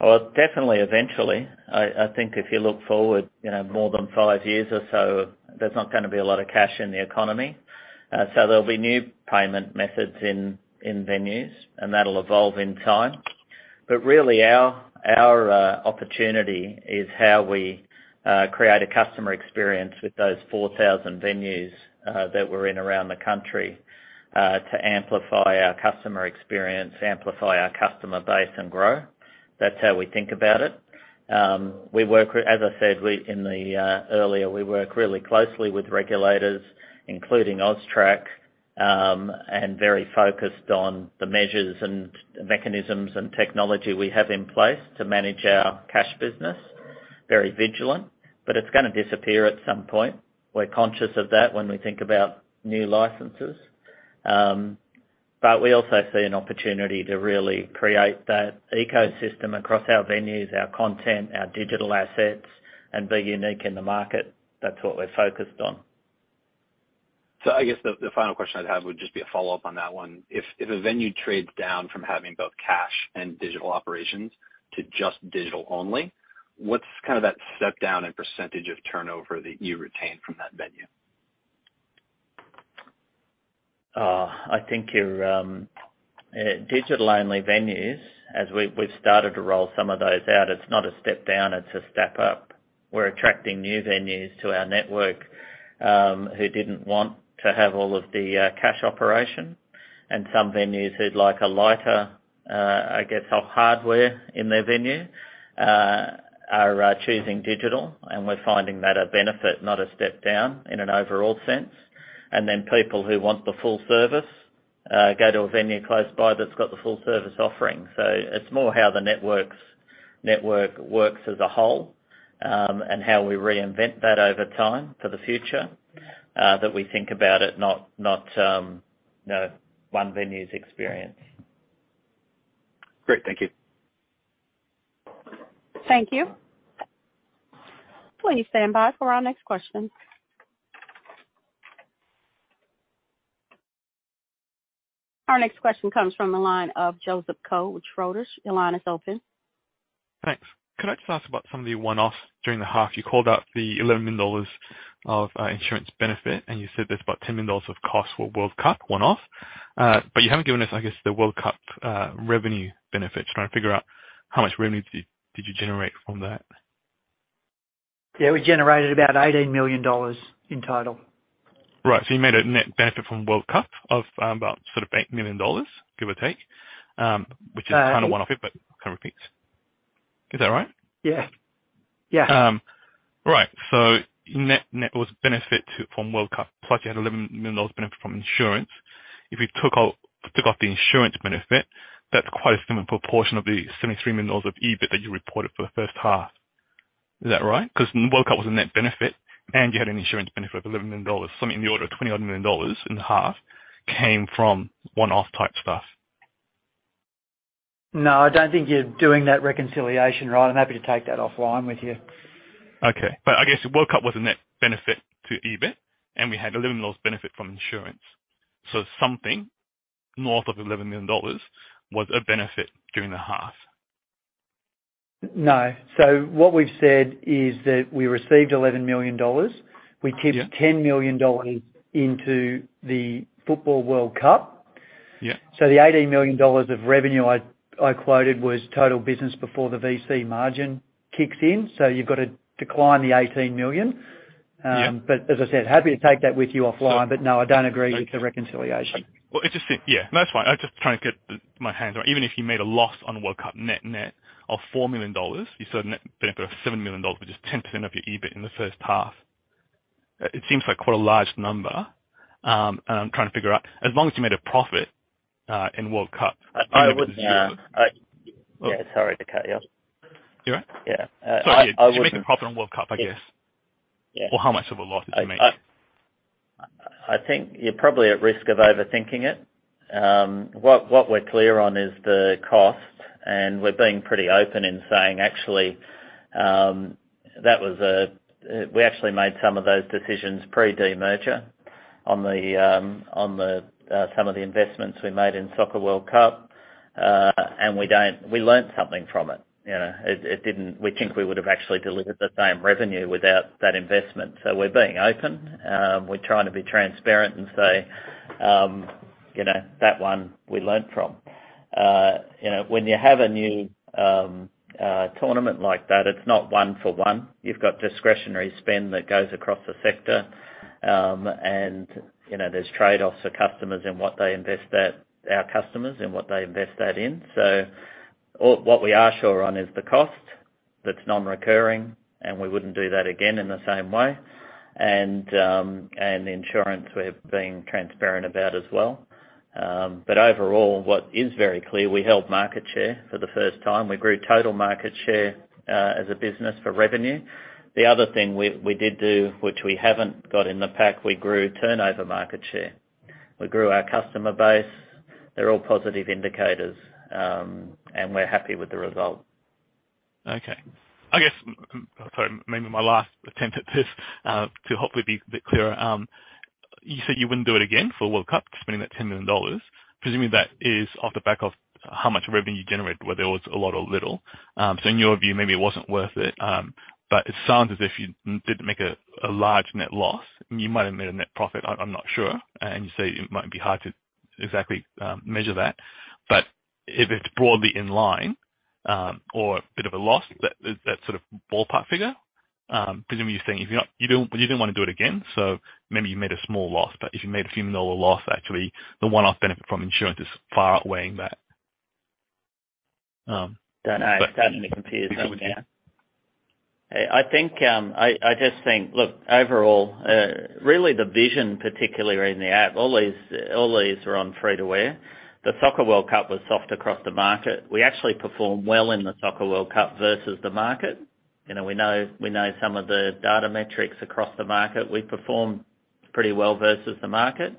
Well, definitely eventually. I think if you look forward, you know, more than five years or so, there's not gonna be a lot of cash in the economy. There'll be new payment methods in venues, and that'll evolve in time. Really our opportunity is how we create a customer experience with those 4,000 venues that we're in around the country to amplify our customer experience, amplify our customer base, and grow. That's how we think about it. As I said earlier, we work really closely with regulators, including AUSTRAC, very focused on the measures and mechanisms and technology we have in place to manage our cash business. Very vigilant, it's gonna disappear at some point. We're conscious of that when we think about new licenses. We also see an opportunity to really create that ecosystem across our venues, our content, our digital assets, and be unique in the market. That's what we're focused on. I guess the final question I'd have would just be a follow-up on that one. If a venue trades down from having both cash and digital operations to just digital only, what's kind of that step down in % of turnover that you retain from that venue? I think your digital-only venues, as we've started to roll some of those out, it's not a step down, it's a step up. We're attracting new venues to our network, who didn't want to have all of the cash operation, and some venues who'd like a lighter, I guess, of hardware in their venue, are choosing digital, and we're finding that a benefit, not a step down in an overall sense. Then people who want the full service, go to a venue close by that's got the full service offering. It's more how the network works as a whole, and how we reinvent that over time for the future, that we think about it, not the one venue's experience. Great. Thank you. Thank you. Please stand by for our next question. Our next question comes from the line of Joseph Koh with Schroders. Your line is open. Thanks. Could I just ask about some of the one-offs during the half? You called out the 11 million dollars of insurance benefit, and you said there's about 10 million dollars of cost for World Cup one-off. You haven't given us, I guess, the World Cup revenue benefit. Just trying to figure out how much revenue did you generate from that. Yeah, we generated about 18 million dollars in total. Right. You made a net benefit from World Cup of, about sort of $8 million, give or take, which is kind of one-off, but kind of repeats. Is that right? Yeah. Yeah. Right. Net, net was benefit to, from World Cup, plus you had AUD 11 million benefit from insurance. If you took off the insurance benefit, that's quite a similar proportion of the 73 million dollars of EBIT that you reported for the first half. Is that right? World Cup was a net benefit and you had an insurance benefit of 11 million dollars. Something in the order of AUD 20 odd million in the half came from one-off type stuff. No, I don't think you're doing that reconciliation right. I'm happy to take that offline with you. I guess World Cup was a net benefit to EBIT, and we had AUD 11 million benefit from insurance. Something north of AUD 11 million was a benefit during the half. No. What we've said is that we received 11 million dollars. Yeah. We tipped 10 million dollars into the Football World Cup. Yeah. The $18 million of revenue I quoted was total business before the VC margin kicks in. You've got to decline the $18 million. Yeah. As I said, happy to take that with you offline. So- No, I don't agree with the reconciliation. Yeah, no, that's fine. I was just trying to get my hands on. Even if you made a loss on World Cup net-net of $4 million, you saw a net benefit of $7 million, which is 10% of your EBIT in the first half. It seems like quite a large number, I'm trying to figure out, as long as you made a profit in World Cup I wouldn't... I... Oh. Yeah, sorry to cut you. You all right? Yeah. I wouldn't- Did you make a profit on World Cup, I guess? Yeah. How much of a loss did you make? I think you're probably at risk of overthinking it. What we're clear on is the cost, and we're being pretty open in saying actually, that was, we actually made some of those decisions pre-demerger on the, on the, some of the investments we made in Soccer World Cup. We learned something from it, you know. We think we would have actually delivered the same revenue without that investment. We're being open. We're trying to be transparent and say, you know, that one we learned from. You know, when you have a new tournament like that, it's not one for one. You've got discretionary spend that goes across the sector, and, you know, there's trade-offs for customers and what they invest that, our customers, and what they invest that in. What we are sure on is the cost that's non-recurring, and we wouldn't do that again in the same way. And insurance we have been transparent about as well. Overall, what is very clear, we held market share for the first time. We grew total market share as a business for revenue. The other thing we did do, which we haven't got in the pack, we grew turnover market share. We grew our customer base. They're all positive indicators, and we're happy with the result. Okay. I guess, sorry, maybe my last attempt at this, to hopefully be a bit clearer. You said you wouldn't do it again for World Cup, spending that $10 million, presuming that is off the back of how much revenue you generated, whether it was a lot or little. In your view, maybe it wasn't worth it. It sounds as if you did make a large net loss, and you might have made a net profit. I'm not sure. You say it might be hard to exactly measure that. If it's broadly in line, or a bit of a loss, that, is that sort of ballpark figure? Presumably you're saying if you didn't wanna do it again, so maybe you made a small loss. If you made a few dollar loss, actually the one-off benefit from insurance is far outweighing that. Don't know. It's starting to confuse us now. So would you- I think, I just think, look, overall, really the vision, particularly in the app, all these are on free-to-air. The Soccer World Cup was soft across the market. We actually performed well in the Soccer World Cup versus the market. You know, we know some of the data metrics across the market. We performed pretty well versus the market,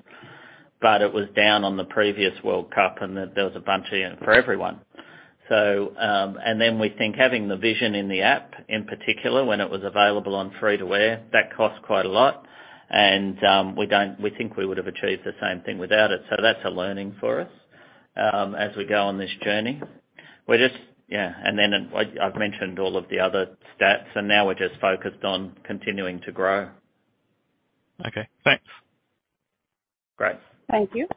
but it was down on the previous World Cup, and there was a bunch in it for everyone. Then we think having the Vision in the app, in particular, when it was available on free-to-air, that cost quite a lot. We don't. We think we would've achieved the same thing without it. That's a learning for us as we go on this journey. We're just...Yeah, then, like, I've mentioned all of the other stats, and now we're just focused on continuing to grow. Okay, thanks. Great. Thank you.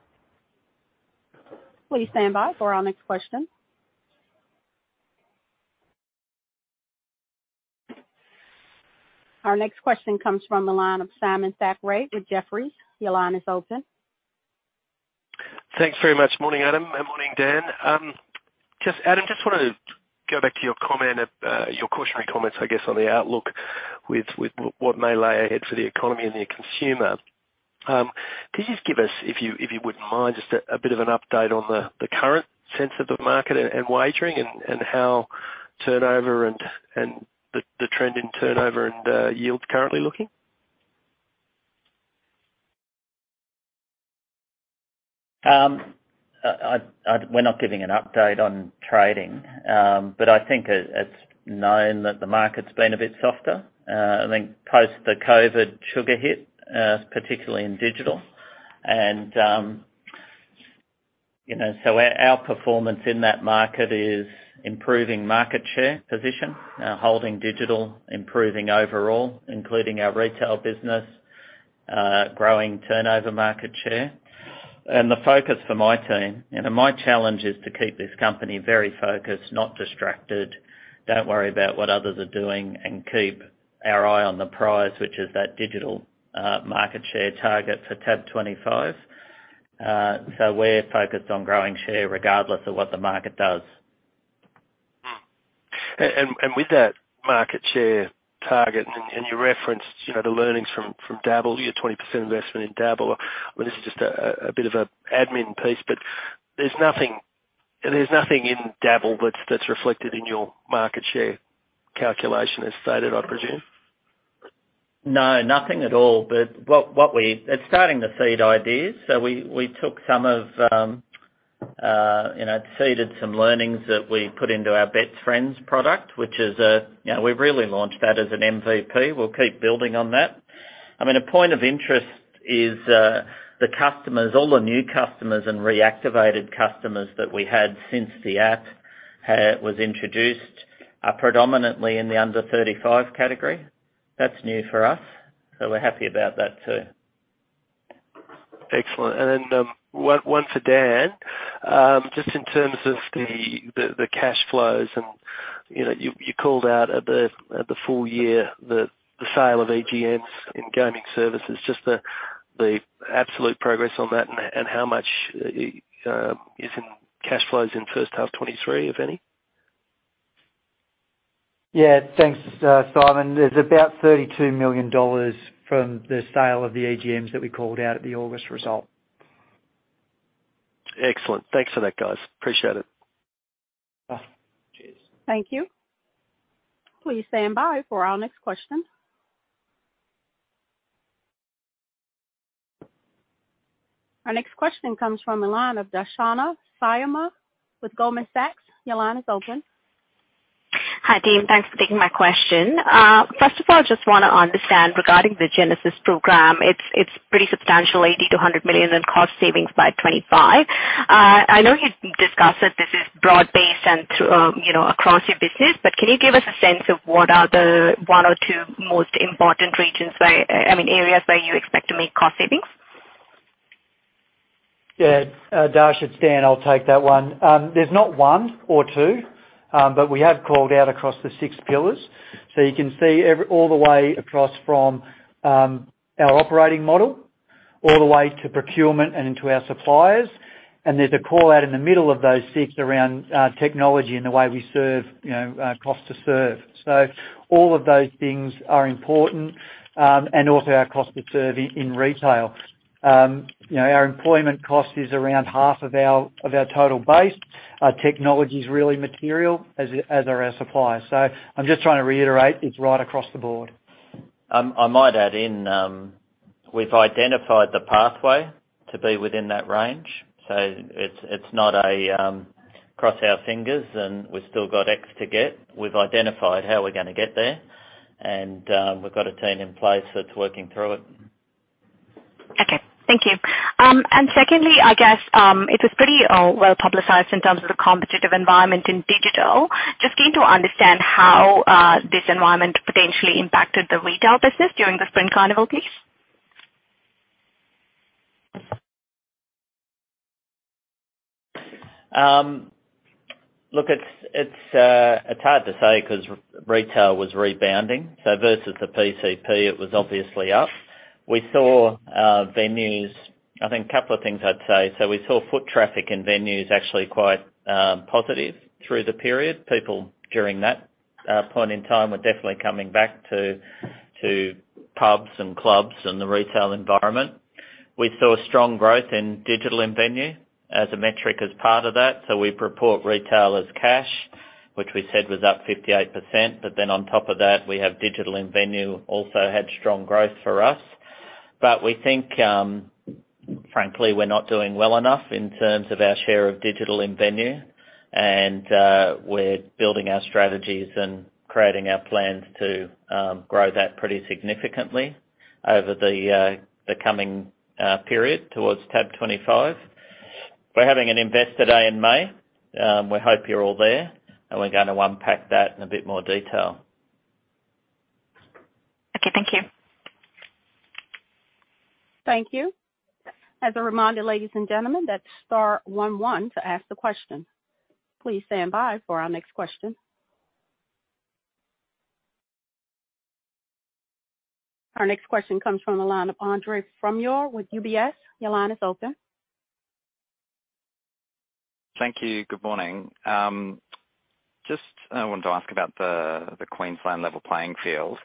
Please stand by for our next question. Our next question comes from the line of Simon Thackray with Jefferies. Your line is open. Thanks very much. Morning, Adam, and morning, Dan. Adam, just wanted to go back to your comment, your cautionary comments, I guess, on the outlook with what may lay ahead for the economy and the consumer. Could you just give us, if you wouldn't mind, just a bit of an update on the current sense of the market and wagering and how turnover and the trend in turnover and yield currently looking? We're not giving an update on trading. I think it's known that the market's been a bit softer, I think post the COVID sugar hit, particularly in digital. You know, our performance in that market is improving market share position, holding digital, improving overall, including our retail business, growing turnover market share. The focus for my team, you know, my challenge is to keep this company very focused, not distracted, don't worry about what others are doing, and keep our eye on the prize, which is that digital market share target for TAB25. We're focused on growing share regardless of what the market does. With that market share target and you referenced, you know, the learnings from Dabble, your 20% investment in Dabble. I mean, this is just a bit of an admin piece, but there's nothing in Dabble that's reflected in your market share calculation as stated, I presume. No, nothing at all. It's starting to seed ideas. We took some of, you know, seeded some learnings that we put into our Bets Friends product, which is, you know, we've really launched that as an MVP. We'll keep building on that. I mean, a point of interest is, the customers, all the new customers and reactivated customers that we had since the app was introduced are predominantly in the under-35 category. That's new for us, we're happy about that, too. Excellent. One for Dan. Just in terms of the cash flows and, you know, you called out at the full year the sale of EGMs in Gaming Services, just the absolute progress on that and how much is in cash flows in first half 2023, if any? Yeah, thanks, Simon. There's about 32 million dollars from the sale of the EGMs that we called out at the August result. Excellent. Thanks for that, guys. Appreciate it. Cheers. Thank you. Please stand by for our next question. Our next question comes from the line of Darshana Syama with Goldman Sachs. Your line is open. Hi, team. Thanks for taking my question. First of all, I just wanna understand regarding the Genesis program. It's pretty substantial, 80 million-100 million in cost savings by 2025. I know you discussed that this is broad-based and through, you know, across your business, but can you give us a sense of what are the one or two most important regions where... I mean, areas where you expect to make cost savings? Yeah. Darsh, it's Dan. I'll take that one. There's not one or two, but we have called out across the six pillars. You can see all the way across from our operating model, all the way to procurement and into our suppliers. There's a call out in the middle of those six around technology and the way we serve, you know, cost to serve. All of those things are important, and also our cost to serve in retail. You know, our employment cost is around half of our total base. Our technology's really material as are our suppliers. I'm just trying to reiterate it's right across the board. I might add in, we've identified the pathway to be within that range, so it's not a, cross our fingers and we've still got X to get. We've identified how we're gonna get there, and, we've got a team in place that's working through it. Okay. Thank you. Secondly, I guess, it was pretty well-publicized in terms of the competitive environment in digital. Just need to understand how this environment potentially impacted the retail business during the Spring Carnival, please. Look, it's hard to say 'cause retail was rebounding. Versus the PCP, it was obviously up. We saw venues. I think couple of things I'd say. We saw foot traffic in venues actually quite positive through the period. People, during that point in time, were definitely coming back to pubs and clubs and the retail environment. We saw strong growth in digital in-venue as a metric as part of that. We report retailers cash, which we said was up 58%. On top of that, we have digital in-venue also had strong growth for us. We think, frankly, we're not doing well enough in terms of our share of digital in-venue. We're building our strategies and creating our plans to grow that pretty significantly over the coming period towards TAB25. We're having an investor day in May. We hope you're all there, and we're gonna unpack that in a bit more detail. Okay, thank you. Thank you. As a reminder, ladies and gentlemen, that's star one one to ask the question. Please stand by for our next question. Our next question comes from the line of Andre Fromyhr with UBS. Your line is open. Thank you. Good morning. just wanted to ask about the Queensland level playing field.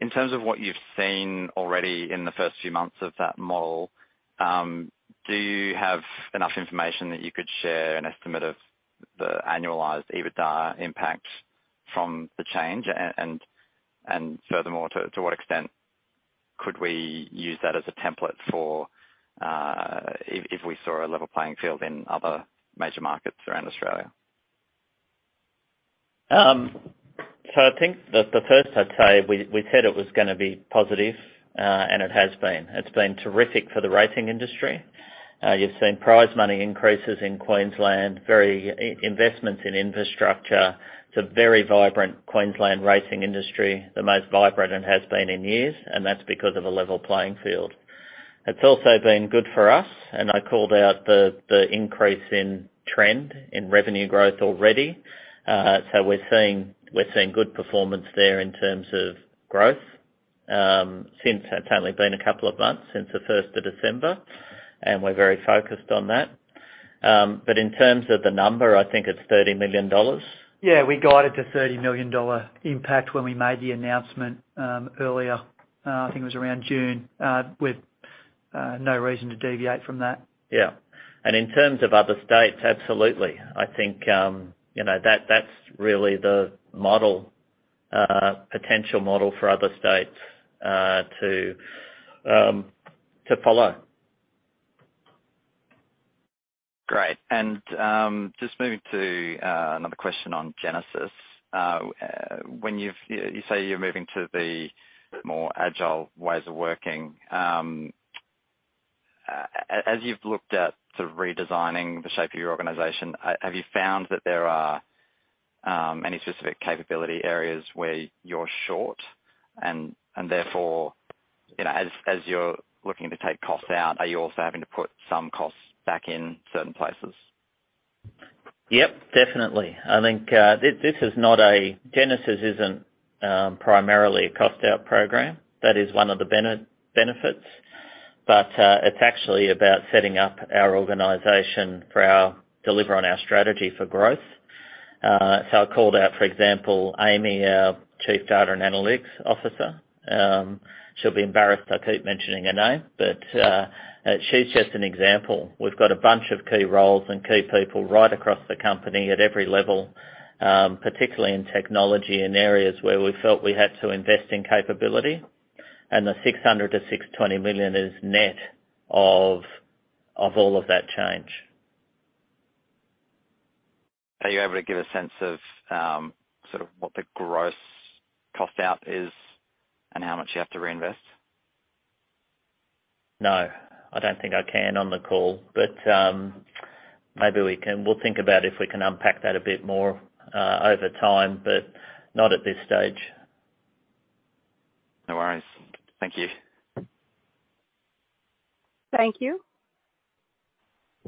In terms of what you've seen already in the first few months of that model, do you have enough information that you could share an estimate of the annualized EBITDA impact from the change? furthermore, to what extent could we use that as a template for if we saw a level playing field in other major markets around Australia? I think the 1st I'd say, we said it was gonna be positive, and it has been. It's been terrific for the racing industry. You've seen prize money increases in Queensland, very investments in infrastructure. It's a very vibrant Queensland racing industry, the most vibrant it has been in years, and that's because of a level playing field. It's also been good for us, and I called out the increase in trend in revenue growth already. We're seeing good performance there in terms of growth, since it's only been a couple of months since the 1st of December, and we're very focused on that. In terms of the number, I think it's $30 million. Yeah, we got it to 30 million dollar impact when we made the announcement earlier. I think it was around June, with no reason to deviate from that. Yeah. In terms of other states, absolutely. I think, you know, that's really the model, potential model for other states to follow. Great. Just moving to another question on Genesis. You say you're moving to the more agile ways of working. As you've looked at sort of redesigning the shape of your organization, have you found that there are any specific capability areas where you're short? Therefore, you know, as you're looking to take costs out, are you also having to put some costs back in certain places? Yep, definitely. I think Genesis isn't primarily a cost out program. That is one of the benefits, it's actually about setting up our organization for our deliver on our strategy for growth. I called out, for example, Amy, our Chief Data & Analytics Officer. She'll be embarrassed I keep mentioning her name, she's just an example. We've got a bunch of key roles and key people right across the company at every level, particularly in technology, in areas where we felt we had to invest in capability. The $600 million-$620 million is net of all of that change. Are you able to give a sense of, sort of what the gross cost out is and how much you have to reinvest? No, I don't think I can on the call, but, maybe we can. We'll think about if we can unpack that a bit more, over time, but not at this stage. No worries. Thank you. Thank you.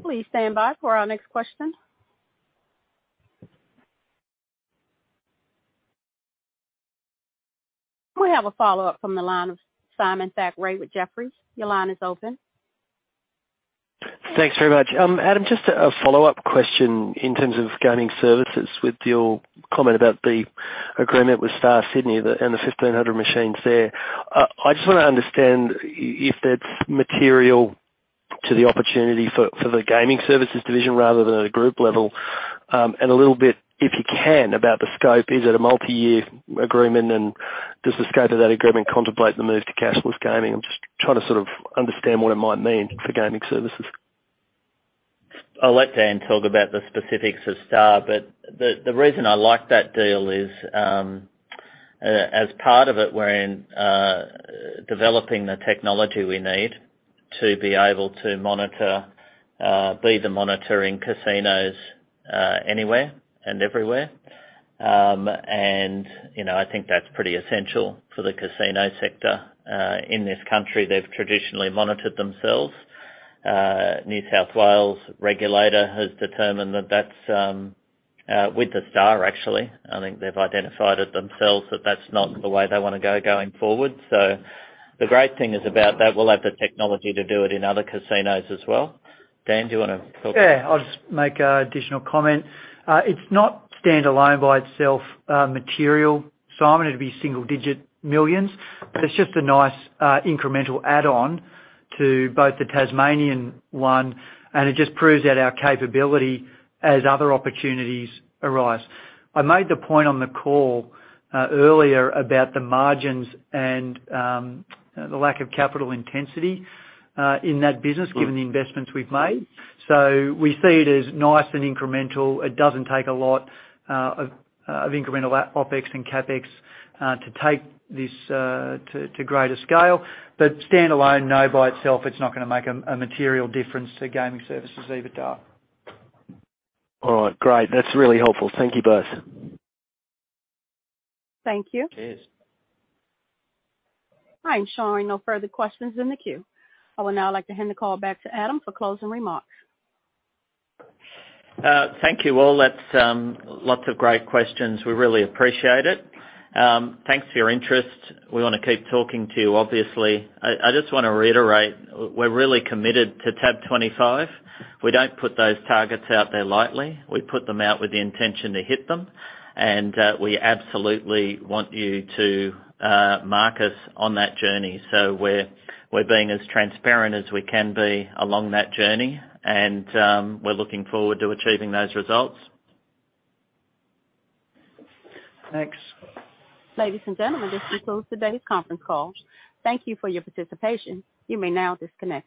Please stand by for our next question. We have a follow-up from the line of Simon Thackray with Jefferies. Your line is open. Thanks very much. Adam, just a follow-up question in terms of Gaming Services with your comment about the agreement with Star Sydney and the 1,500 machines there. I just wanna understand if that's material to the opportunity for the Gaming Services division rather than at a group level. And a little bit, if you can, about the scope. Is it a multi-year agreement, and does the scope of that agreement contemplate the move to cashless gaming? I'm just trying to sort of understand what it might mean for Gaming Services. I'll let Dan talk about the specifics of The Star, but the reason I like that deal is, as part of it, we're developing the technology we need to be able to monitor be the monitoring casinos anywhere and everywhere. You know, I think that's pretty essential for the casino sector. In this country, they've traditionally monitored themselves. New South Wales regulator has determined that that's, with The Star, actually, I think they've identified it themselves that that's not the way they wanna go going forward. The great thing is about that, we'll have the technology to do it in other casinos as well. Dan, do you wanna talk? Yeah, I'll just make a additional comment. It's not standalone by itself, material, Simon. It'd be single digit millions, but it's just a nice, incremental add-on to both the Tasmanian one, and it just proves out our capability as other opportunities arise. I made the point on the call earlier about the margins and the lack of capital intensity in that business given the investments we've made. We see it as nice and incremental. It doesn't take a lot of incremental OpEx and CapEx to take this to greater scale. Standalone, no, by itself, it's not gonna make a material difference to Gaming Services EBITDA. All right. Great. That's really helpful. Thank you both. Thank you. Cheers. I'm showing no further questions in the queue. I would now like to hand the call back to Adam for closing remarks. Thank you all. That's lots of great questions. We really appreciate it. Thanks for your interest. We wanna keep talking to you, obviously. I just wanna reiterate we're really committed to TAB25. We don't put those targets out there lightly. We put them out with the intention to hit them, and we absolutely want you to mark us on that journey. We're being as transparent as we can be along that journey, and we're looking forward to achieving those results. Thanks. Ladies and gentlemen, this concludes today's conference call. Thank you for your participation. You may now disconnect.